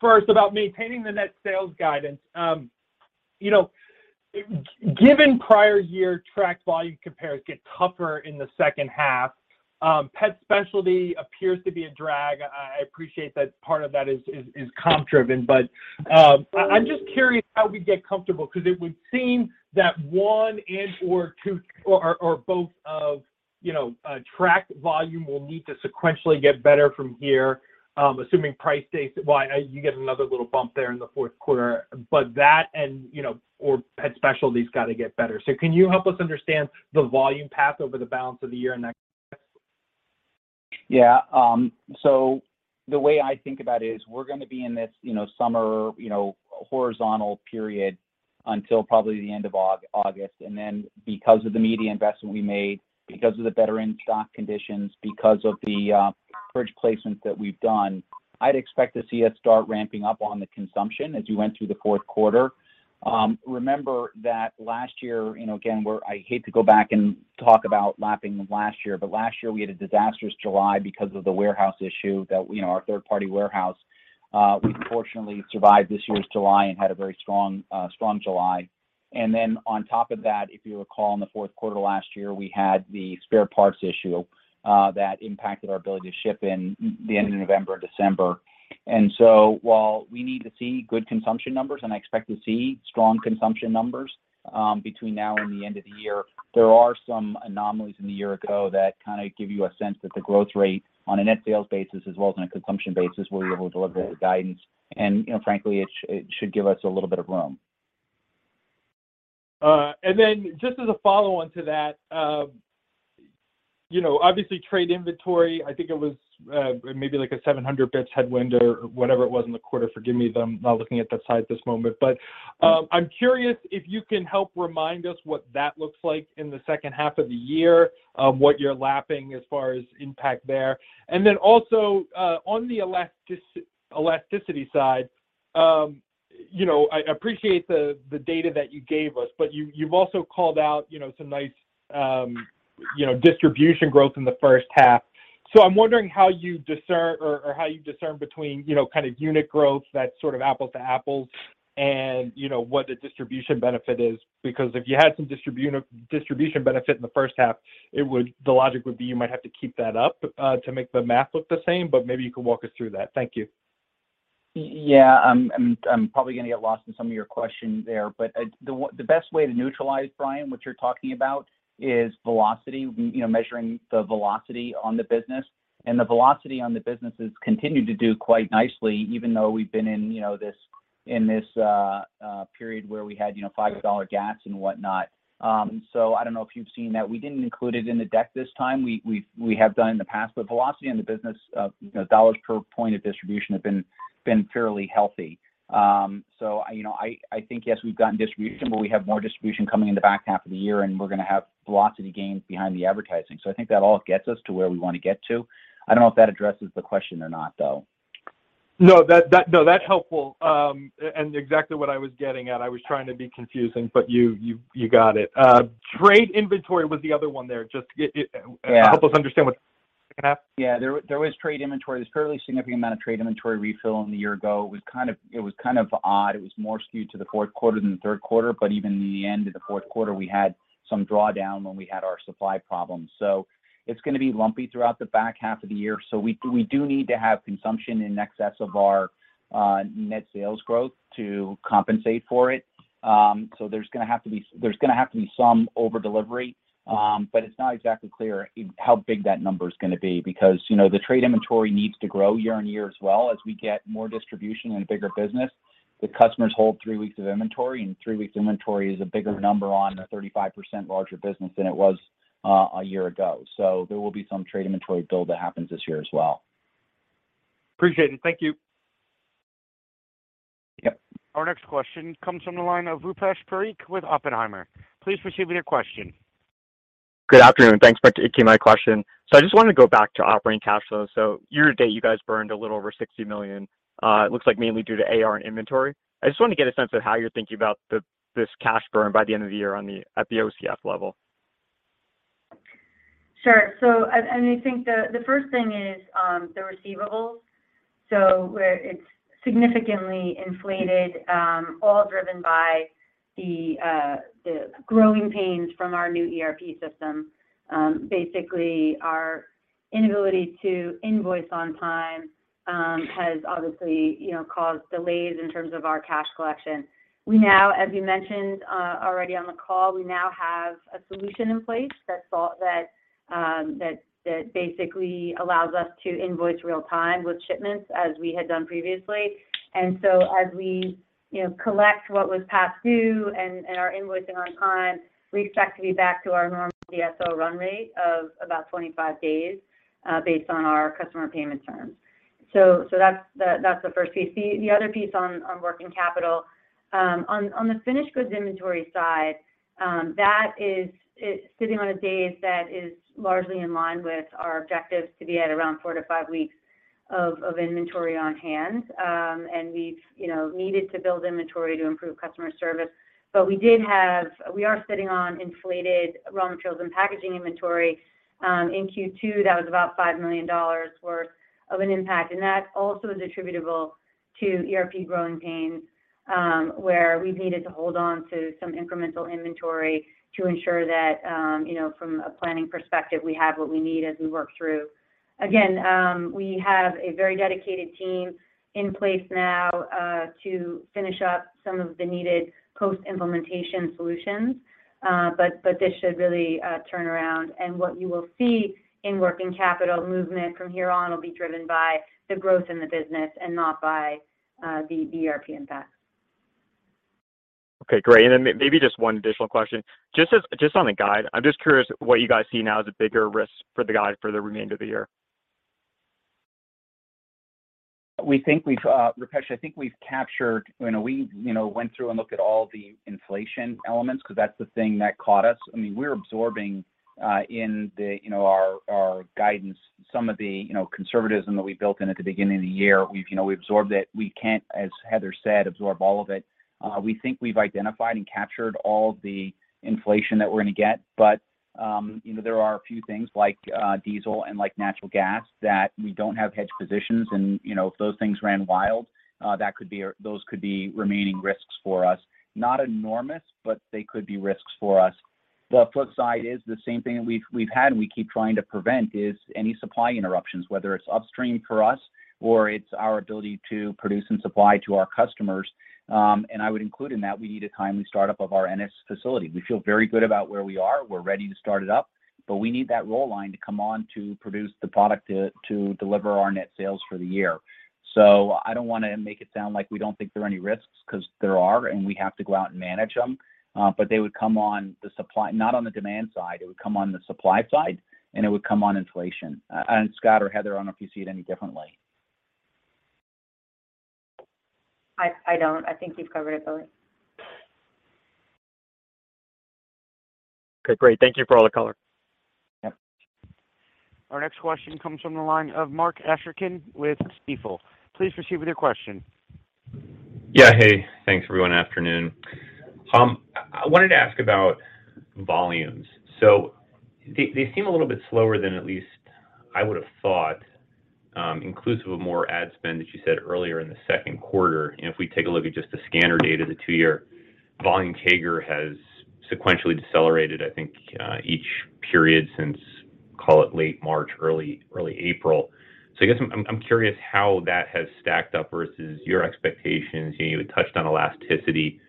first about maintaining the net sales guidance. You know, given prior year track volume compares get tougher in the second half, pet specialty appears to be a drag. I appreciate that part of that is comp driven. But I'm just curious how we get comfortable, 'cause it would seem that one and or two or both of, you know, track volume will need to sequentially get better from here, assuming price stays. Well, you get another little bump there in the fourth quarter. But that and, you know, or pet specialty's got to get better. So can you help us understand the volume path over the balance of the year and next? Yeah. So the way I think about it is we're gonna be in this, you know, summer, you know, horizontal period until probably the end of August. Because of the media investment we made, because of the better in-stock conditions, because of the bridge placements that we've done, I'd expect to see us start ramping up on the consumption as we went through the fourth quarter. Remember that last year, you know, again, I hate to go back and talk about lapping last year, but last year we had a disastrous July because of the warehouse issue that, you know, our third-party warehouse. We fortunately survived this year's July and had a very strong July. Then on top of that, if you recall, in the fourth quarter last year, we had the spare parts issue that impacted our ability to ship in the end of November and December. While we need to see good consumption numbers, and I expect to see strong consumption numbers between now and the end of the year, there are some anomalies in the year ago that kinda give you a sense that the growth rate on a net sales basis as well as on a consumption basis, we'll be able to deliver the guidance. You know, frankly, it should give us a little bit of room. Just as a follow-on to that, you know, obviously trade inventory, I think it was, maybe like a 700 basis points headwind or whatever it was in the quarter. Forgive me, but I'm not looking at that slide at this moment. I'm curious if you can help remind us what that looks like in the second half of the year, what you're lapping as far as impact there. Then also, on the elasticity side, you know, I appreciate the data that you gave us, but you've also called out, you know, some nice, you know, distribution growth in the first half. So I'm wondering how you discern between, you know, kind of unit growth that's sort of apples to apples and, you know, what the distribution benefit is. Because if you had some distribution benefit in the first half, the logic would be you might have to keep that up, to make the math look the same, but maybe you could walk us through that. Thank you. Yeah. I'm probably gonna get lost in some of your question there, but the best way to neutralize, Brian, what you're talking about is velocity, you know, measuring the velocity on the business. The velocity on the business has continued to do quite nicely even though we've been in this period where we had, you know, $5 gas and whatnot. So I don't know if you've seen that. We didn't include it in the deck this time. We have done in the past. Velocity in the business of, you know, dollars per point of distribution have been fairly healthy. So I think yes, we've gotten distribution, but we have more distribution coming in the back half of the year, and we're gonna have velocity gains behind the advertising. I think that all gets us to where we want to get to. I don't know if that addresses the question or not, though. No, that's helpful and exactly what I was getting at. I was trying to be confusing, but you got it. Trade inventory was the other one there. Just to get Yeah. Help us understand what's gonna happen. Yeah. There was trade inventory. There's a fairly significant amount of trade inventory refill in the year ago. It was kind of odd. It was more skewed to the fourth quarter than the third quarter. Even in the end of the fourth quarter, we had some drawdown when we had our supply problems. It's gonna be lumpy throughout the back half of the year. We do need to have consumption in excess of our net sales growth to compensate for it. There's gonna have to be some over-delivery. It's not exactly clear how big that number is gonna be because, you know, the trade inventory needs to grow year-on-year as well as we get more distribution and a bigger business. The customers hold three weeks of inventory, and three weeks inventory is a bigger number on a 35% larger business than it was, a year ago. There will be some trade inventory build that happens this year as well. Appreciate it. Thank you. Yep. Our next question comes from the line of Rupesh Parikh with Oppenheimer. Please proceed with your question. Good afternoon. Thanks. It's me, my question. I just wanted to go back to operating cash flow. Year to date, you guys burned a little over $60 million, it looks like mainly due to AR and inventory. I just wanted to get a sense of how you're thinking about this cash burn by the end of the year at the OCF level. Sure. I think the first thing is the receivables. Where it's significantly inflated, all driven by the growing pains from our new ERP system. Basically, our inability to invoice on time has obviously, you know, caused delays in terms of our cash collection. We now, as you mentioned, already on the call, we now have a solution in place that basically allows us to invoice real time with shipments as we had done previously. As we, you know, collect what was past due and are invoicing on time, we expect to be back to our normal DSO run rate of about 25 days based on our customer payment terms. That's the first piece. The other piece on working capital, on the finished goods inventory side, that is, it's sitting on a days that is largely in line with our objectives to be at around 4-5 weeks of inventory on hand. We've, you know, needed to build inventory to improve customer service. We did have. We are sitting on inflated raw materials and packaging inventory. In Q2, that was about $5 million worth of an impact, and that also is attributable to ERP growing pains, where we've needed to hold on to some incremental inventory to ensure that, you know, from a planning perspective, we have what we need as we work through. Again, we have a very dedicated team in place now, to finish up some of the needed post-implementation solutions. But this should really turn around. What you will see in working capital movement from here on will be driven by the growth in the business and not by the ERP impact. Okay, great. Maybe just one additional question. Just on the guide, I'm just curious what you guys see now as a bigger risk for the guide for the remainder of the year. Rupesh, I think we've captured. You know, we, you know, went through and looked at all the inflation elements 'cause that's the thing that caught us. I mean, we're absorbing in the you know our guidance some of the you know conservatism that we built in at the beginning of the year. We've you know we absorbed it. We can't, as Heather said, absorb all of it. We think we've identified and captured all the inflation that we're gonna get. You know, there are a few things like diesel and like natural gas that we don't have hedged positions and if those things ran wild those could be remaining risks for us. Not enormous, but they could be risks for us. The flip side is the same thing we've had and we keep trying to prevent is any supply interruptions, whether it's upstream for us or it's our ability to produce and supply to our customers. I would include in that we need a timely startup of our Ennis facility. We feel very good about where we are. We're ready to start it up, but we need that roll line to come on to produce the product to deliver our net sales for the year. I don't wanna make it sound like we don't think there are any risks, 'cause there are, and we have to go out and manage them. They would come on the supply, not on the demand side. It would come on the supply side, and it would come on inflation. Scott or Heather, I don't know if you see it any differently. I don't. I think you've covered it, Billy. Okay, great. Thank you for all the color. Yeah. Our next question comes from the line of Mark Astrachan with Stifel. Please proceed with your question. Yeah. Hey, thanks, everyone. Afternoon. I wanted to ask about volumes. They seem a little bit slower than at least I would have thought, inclusive of more ad spend that you said earlier in the second quarter. If we take a look at just the scanner data, the two-year volume CAGR has sequentially decelerated, I think, each period since, call it, late March, early April. I guess I'm curious how that has stacked up versus your expectations. You know, you had touched on elasticity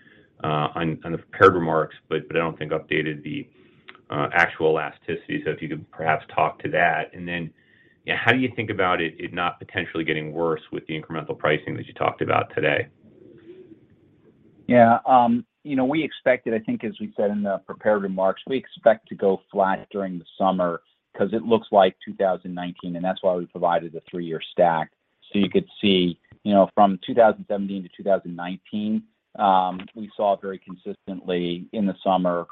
on the prepared remarks, but I don't think updated the actual elasticity. If you could perhaps talk to that. Then, you know, how do you think about it not potentially getting worse with the incremental pricing that you talked about today? Yeah. You know, we expected, I think as we said in the prepared remarks, we expect to go flat during the summer 'cause it looks like 2019, and that's why we provided a three-year stack. You could see, you know, from 2017 to 2019, we saw very consistently in the summer,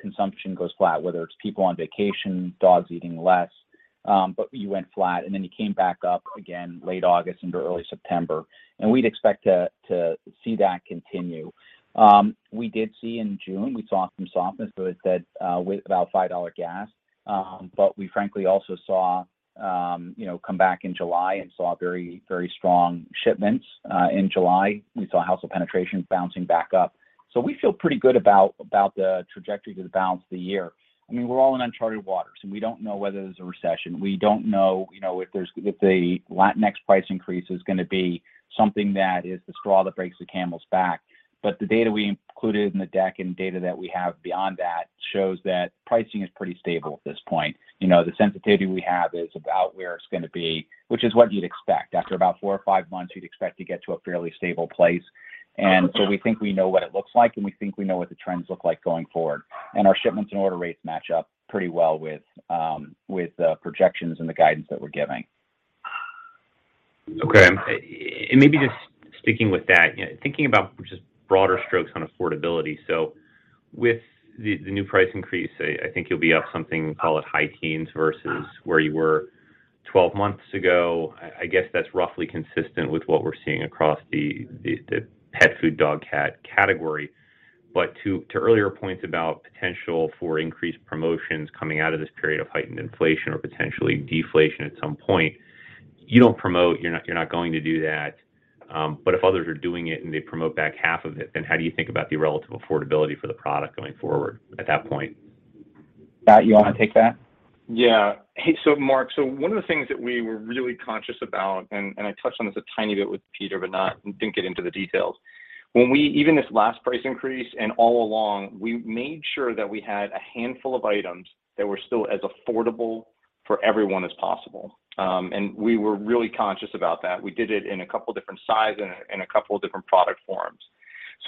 consumption goes flat, whether it's people on vacation, dogs eating less, but you went flat. Then you came back up again late August into early September. We'd expect to see that continue. We did see in June, we saw some softness to it that with about $5 gas. But we frankly also saw, you know, come back in July and saw very, very strong shipments in July. We saw household penetration bouncing back up. We feel pretty good about the trajectory for the balance of the year. I mean, we're all in uncharted waters, and we don't know whether there's a recession. We don't know, you know, if the next price increase is gonna be something that is the straw that breaks the camel's back. The data we included in the deck and data that we have beyond that shows that pricing is pretty stable at this point. You know, the sensitivity we have is about where it's gonna be, which is what you'd expect. After about four or five months, you'd expect to get to a fairly stable place. We think we know what it looks like, and we think we know what the trends look like going forward. Our shipments and order rates match up pretty well with the projections and the guidance that we're giving. Okay. Maybe just sticking with that, you know, thinking about just broader strokes on affordability. With the new price increase, I think you'll be up something, call it high teens versus where you were 12 months ago. I guess that's roughly consistent with what we're seeing across the pet food dog/cat category. To earlier points about potential for increased promotions coming out of this period of heightened inflation or potentially deflation at some point, you don't promote, you're not going to do that. But if others are doing it and they promote back half of it, then how do you think about the relative affordability for the product going forward at that point? Scott, you wanna take that? Yeah. Hey, Mark, one of the things that we were really conscious about, and I touched on this a tiny bit with Peter, but didn't get into the details. Even this last price increase and all along, we made sure that we had a handful of items that were still as affordable for everyone as possible. We were really conscious about that. We did it in a couple different sizes and in a couple different product forms.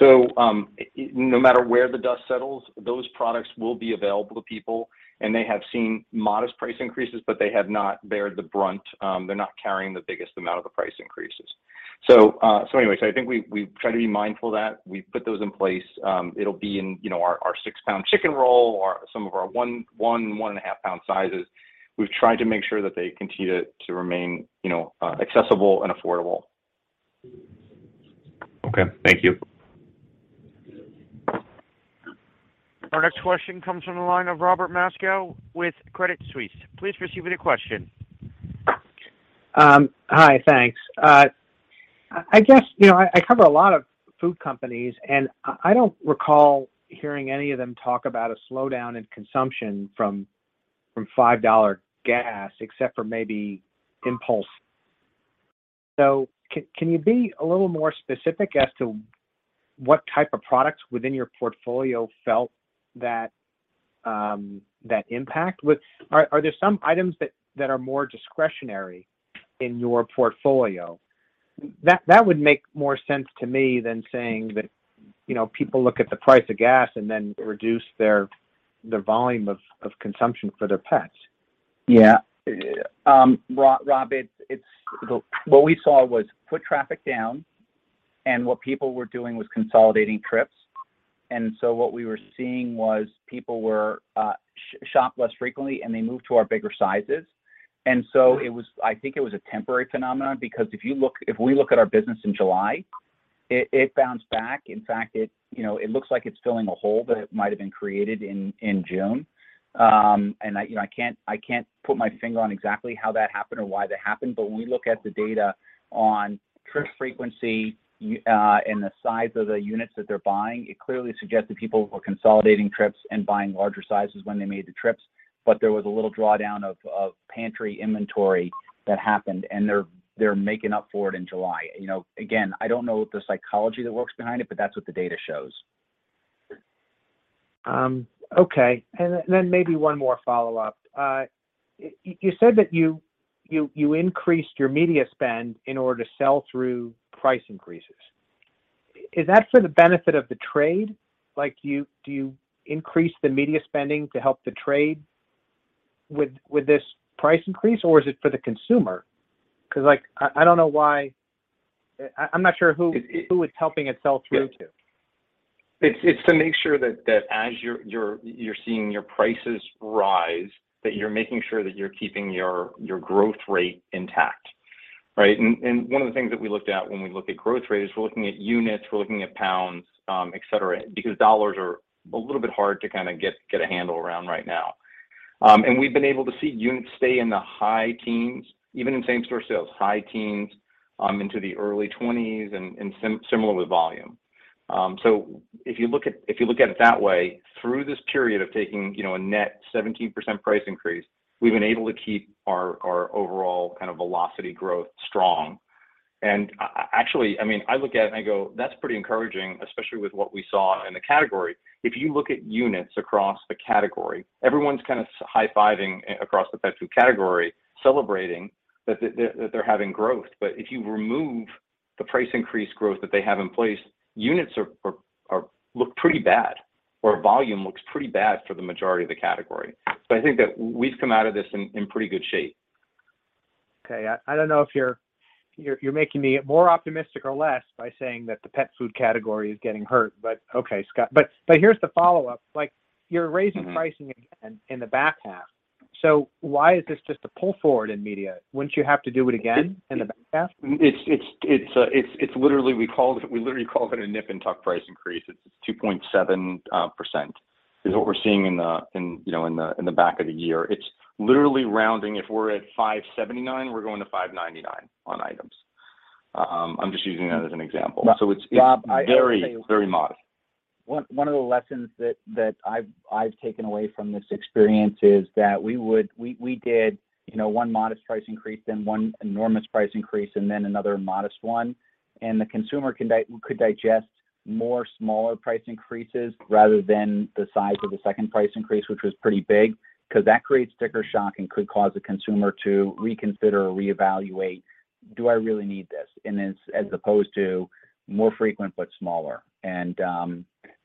No matter where the dust settles, those products will be available to people, and they have seen modest price increases, but they have not borne the brunt. They're not carrying the biggest amount of the price increases. Anyway, I think we try to be mindful of that. We put those in place. It'll be in, you know, our 6-pound chicken roll or some of our 1.5-pound sizes. We've tried to make sure that they continue to remain, you know, accessible and affordable. Okay. Thank you. Our next question comes from the line of Robert Moskow with Credit Suisse. Please proceed with your question. Hi. Thanks. I guess, you know, I cover a lot of food companies, and I don't recall hearing any of them talk about a slowdown in consumption from $5 gas, except for maybe Impulse. Can you be a little more specific as to what type of products within your portfolio felt that impact? Are there some items that are more discretionary in your portfolio? That would make more sense to me than saying that, you know, people look at the price of gas and then reduce their volume of consumption for their pets. Rob, it's. Look, what we saw was foot traffic down, and what people were doing was consolidating trips. What we were seeing was people shopped less frequently, and they moved to our bigger sizes. Mm-hmm. It was a temporary phenomenon because if you look at our business in July, it bounced back. In fact, you know, it looks like it's filling a hole that might have been created in June. I can't put my finger on exactly how that happened or why that happened. But when we look at the data on trip frequency and the size of the units that they're buying, it clearly suggests that people were consolidating trips and buying larger sizes when they made the trips. But there was a little drawdown of pantry inventory that happened, and they're making up for it in July. You know, again, I don't know the psychology that works behind it, but that's what the data shows. Okay. Maybe one more follow-up. You said that you increased your media spend in order to sell through price increases. Is that for the benefit of the trade? Like, do you increase the media spending to help the trade with this price increase, or is it for the consumer? 'Cause, like, I don't know why. I'm not sure who. It. Who it's helping it sell through to? Yeah. It's to make sure that as you're seeing your prices rise, that you're making sure that you're keeping your growth rate intact, right? One of the things that we looked at when we look at growth rate is we're looking at units, we're looking at pounds, et cetera, because dollars are a little bit hard to kinda get a handle around right now. We've been able to see units stay in the high teens, even in same-store sales. High teens into the early twenties and similar with volume. If you look at it that way, through this period of taking, you know, a net 17% price increase, we've been able to keep our overall kind of velocity growth strong. Actually, I mean, I look at it and I go, "That's pretty encouraging, especially with what we saw in the category." If you look at units across the category, everyone's kind of high-fiving across the pet food category, celebrating that they're having growth. If you remove the price increase growth that they have in place, units look pretty bad, or volume looks pretty bad for the majority of the category. I think that we've come out of this in pretty good shape. Okay. I don't know if you're making me more optimistic or less by saying that the pet food category is getting hurt, but okay, Scott. Here's the follow-up. Like, you're raising pricing again in the back half, so why is this just a pull forward in media? Wouldn't you have to do it again in the back half? It's literally. We called it, we literally called it a nip and tuck price increase. It's 2.7% is what we're seeing in the, you know, in the back of the year. It's literally rounding. If we're at $5.79, we're going to $5.99 on items. I'm just using that as an example. No, Rob, I have to say. It's very modest. One of the lessons that I've taken away from this experience is that we did, you know, one modest price increase, then one enormous price increase, and then another modest one. The consumer could digest more smaller price increases rather than the size of the second price increase, which was pretty big, 'cause that creates sticker shock and could cause a consumer to reconsider or reevaluate, "Do I really need this?" It's as opposed to more frequent but smaller.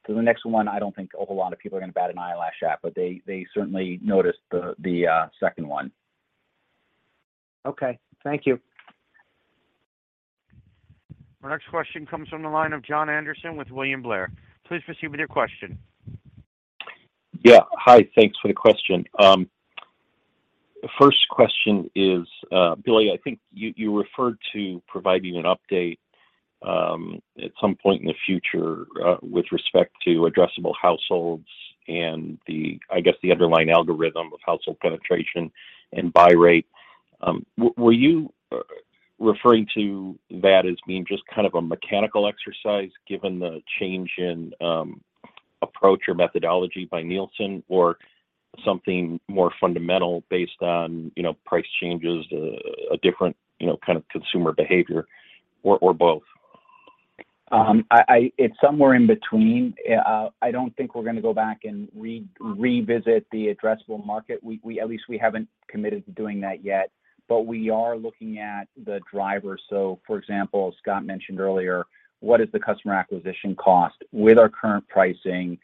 The next one, I don't think a whole lot of people are gonna bat an eyelash at, but they certainly noticed the second one. Okay, thank you. Our next question comes from the line of Jon Andersen with William Blair. Please proceed with your question. Yeah. Hi, thanks for the question. First question is, Billy, I think you referred to providing an update, at some point in the future, with respect to addressable households and the, I guess, the underlying algorithm of household penetration and buy rate. Were you referring to that as being just kind of a mechanical exercise given the change in, approach or methodology by Nielsen, or something more fundamental based on, you know, price changes, a different, you know, kind of consumer behavior, or both? It's somewhere in between. I don't think we're gonna go back and revisit the addressable market. At least we haven't committed to doing that yet. We are looking at the drivers. For example, as Scott mentioned earlier, what is the customer acquisition cost with our current pricing,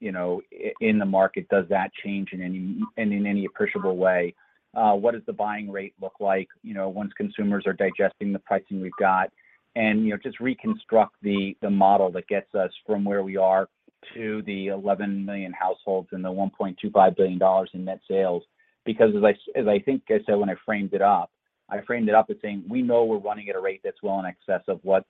you know, in the market? Does that change in any appreciable way? What does the buying rate look like, you know, once consumers are digesting the pricing we've got? And, you know, just reconstruct the model that gets us from where we are to the 11 million households and the $1.25 billion in net sales. Because as I think I said when I framed it up, I framed it up as saying, we know we're running at a rate that's well in excess of what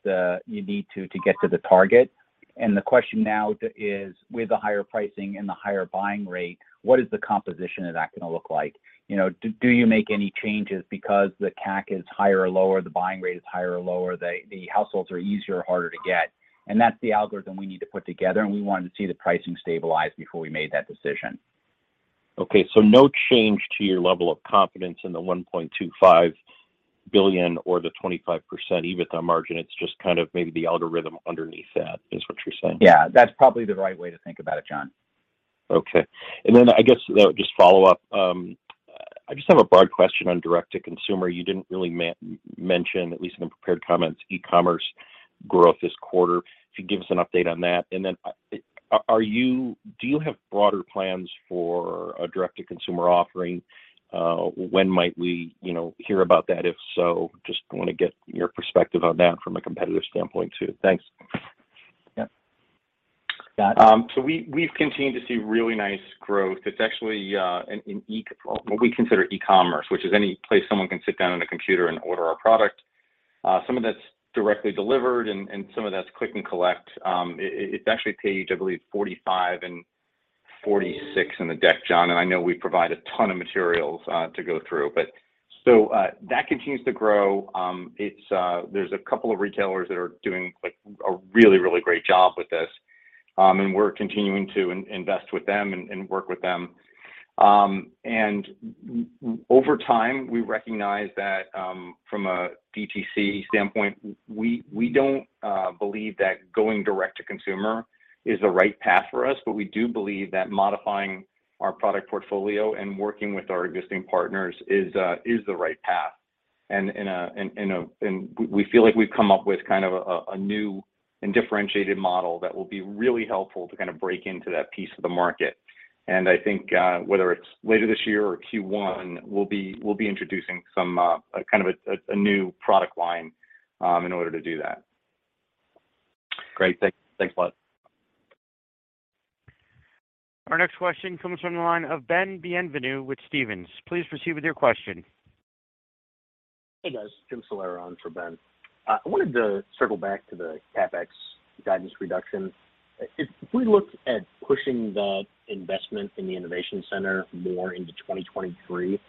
you need to get to the target, and the question now is, with the higher pricing and the higher buying rate, what is the composition of that gonna look like? You know, do you make any changes because the CAC is higher or lower, the buying rate is higher or lower, the households are easier or harder to get? And that's the algorithm we need to put together, and we wanted to see the pricing stabilize before we made that decision. Okay, no change to your level of confidence in the $1.25 billion or the 25% EBITDA margin. It's just kind of maybe the algorithm underneath that is what you're saying? Yeah, that's probably the right way to think about it, Jon. Okay. I guess just follow up, I just have a broad question on direct to consumer. You didn't really mention, at least in the prepared comments, e-commerce growth this quarter. Could you give us an update on that? Do you have broader plans for a direct to consumer offering? When might we, you know, hear about that? If so, just want to get your perspective on that from a competitive standpoint too. Thanks. Yeah. Scott? We've continued to see really nice growth. It's actually in e-commerce, what we consider e-commerce, which is any place someone can sit down on a computer and order our product. Some of that's directly delivered and some of that's click and collect. It's actually page, I believe, 45 and 46 in the deck, Jon. I know we provide a ton of materials to go through. That continues to grow. It's a couple of retailers that are doing, like, a really great job with this. We're continuing to invest with them and work with them. Over time, we recognize that from a DTC standpoint, we don't believe that going direct to consumer is the right path for us. We do believe that modifying our product portfolio and working with our existing partners is the right path. We feel like we've come up with kind of a new and differentiated model that will be really helpful to kind of break into that piece of the market. I think whether it's later this year or Q1, we'll be introducing some kind of a new product line in order to do that. Great. Thanks. Thanks a lot. Our next question comes from the line of Ben Bienvenu with Stephens. Please proceed with your question. Hey, guys. Jim Salera on for Ben. I wanted to circle back to the CapEx guidance reduction. If we look at pushing the investment in the innovation center more into 2023,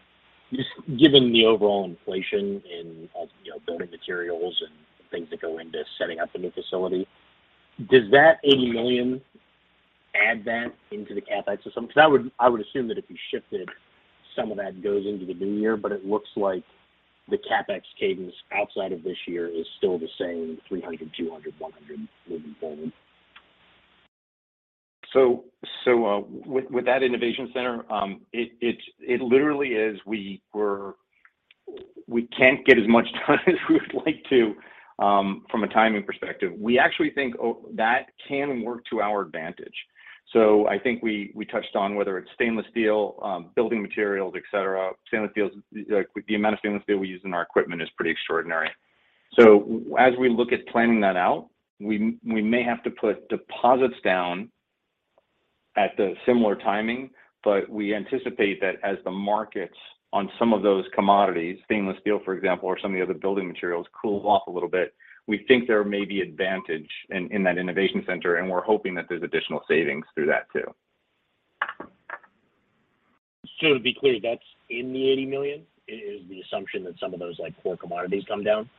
just given the overall inflation in, you know, building materials and things that go into setting up a new facility, does that $80 million add that into the CapEx system? Because I would assume that if you shifted, some of that goes into the new year, but it looks like the CapEx cadence outside of this year is still the same 300, 200, 100 moving forward. With that Innovation Kitchen, it literally is we can't get as much done as we would like to from a timing perspective. We actually think that can work to our advantage. I think we touched on whether it's stainless steel, building materials, et cetera. Stainless steel, like the amount of stainless steel we use in our equipment is pretty extraordinary. As we look at planning that out, we may have to put deposits down at the similar timing, but we anticipate that as the markets on some of those commodities, stainless steel, for example, or some of the other building materials cool off a little bit, we think there may be advantage in that Innovation Kitchen, and we're hoping that there's additional savings through that too. To be clear, that's in the $80 million is the assumption that some of those like, core commodities come down?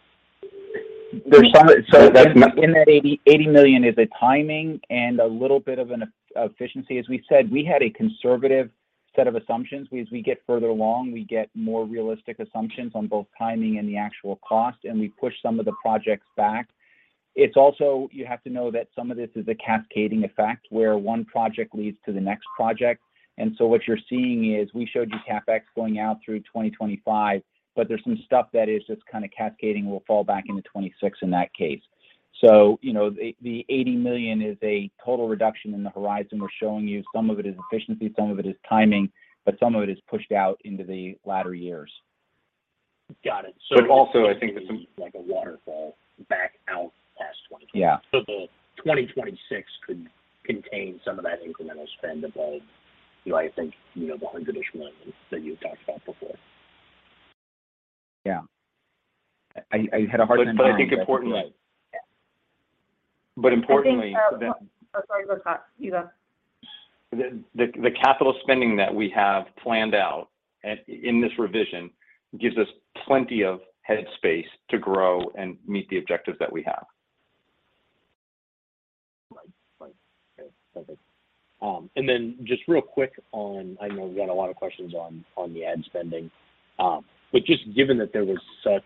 In that $80 million is a timing and a little bit of an efficiency. As we said, we had a conservative set of assumptions. As we get further along, we get more realistic assumptions on both timing and the actual cost, and we push some of the projects back. It's also, you have to know that some of this is a cascading effect where one project leads to the next project. What you're seeing is we showed you CapEx going out through 2025, but there's some stuff that is just kind of cascading will fall back into 2026 in that case. You know, the $80 million is a total reduction in the horizon we're showing you. Some of it is efficiency, some of it is timing, but some of it is pushed out into the latter years. Got it. I think that. Like a waterfall back out past 20- Yeah. The 2026 could contain some of that incremental spend above, you know, I think, you know, the $100-ish million that you had talked about before. Yeah. I had a hard time. I think importantly. Oh, sorry. Go ahead, Scott Morris. The capital spending that we have planned out and in this revision gives us plenty of head space to grow and meet the objectives that we have. Right. Okay, perfect. Just real quick on, I know we've got a lot of questions on the ad spending. Just given that there was such,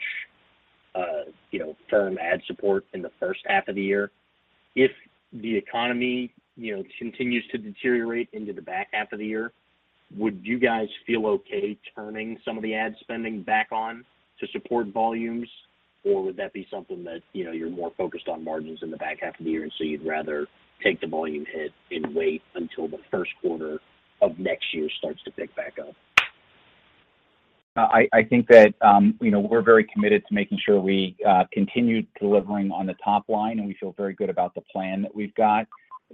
you know, firm ad support in the first half of the year, if the economy, you know, continues to deteriorate into the back half of the year, would you guys feel okay turning some of the ad spending back on to support volumes? Would that be something that, you know, you're more focused on margins in the back half of the year, and so you'd rather take the volume hit and wait until the first quarter of next year starts to pick back up? I think that, you know, we're very committed to making sure we continue delivering on the top line, and we feel very good about the plan that we've got.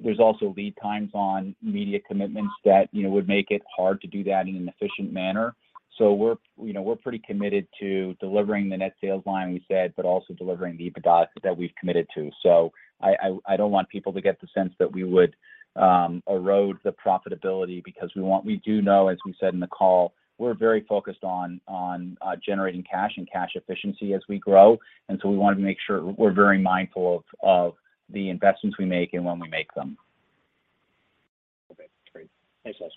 There's also lead times on media commitments that, you know, would make it hard to do that in an efficient manner. We're, you know, pretty committed to delivering the net sales line, we said, but also delivering the EBITDA that we've committed to. I don't want people to get the sense that we would erode the profitability because we want. We do know, as we said in the call, we're very focused on generating cash and cash efficiency as we grow. We wanted to make sure we're very mindful of the investments we make and when we make them. Okay, great. Thanks, guys.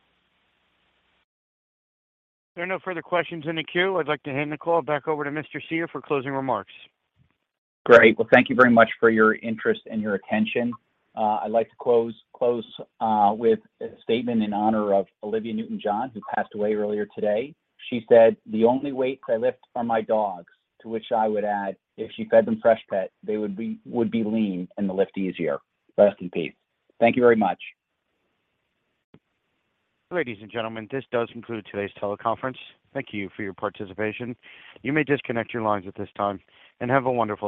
There are no further questions in the queue. I'd like to hand the call back over to Mr. Cyr for closing remarks. Great. Well, thank you very much for your interest and your attention. I'd like to close with a statement in honor of Olivia Newton-John, who passed away earlier today. She said, "The only weights I lift are my dogs." To which I would add, if she fed them Freshpet, they would be lean and they'll lift easier. Rest in peace. Thank you very much. Ladies and gentlemen, this does conclude today's teleconference. Thank you for your participation. You may disconnect your lines at this time, and have a wonderful day.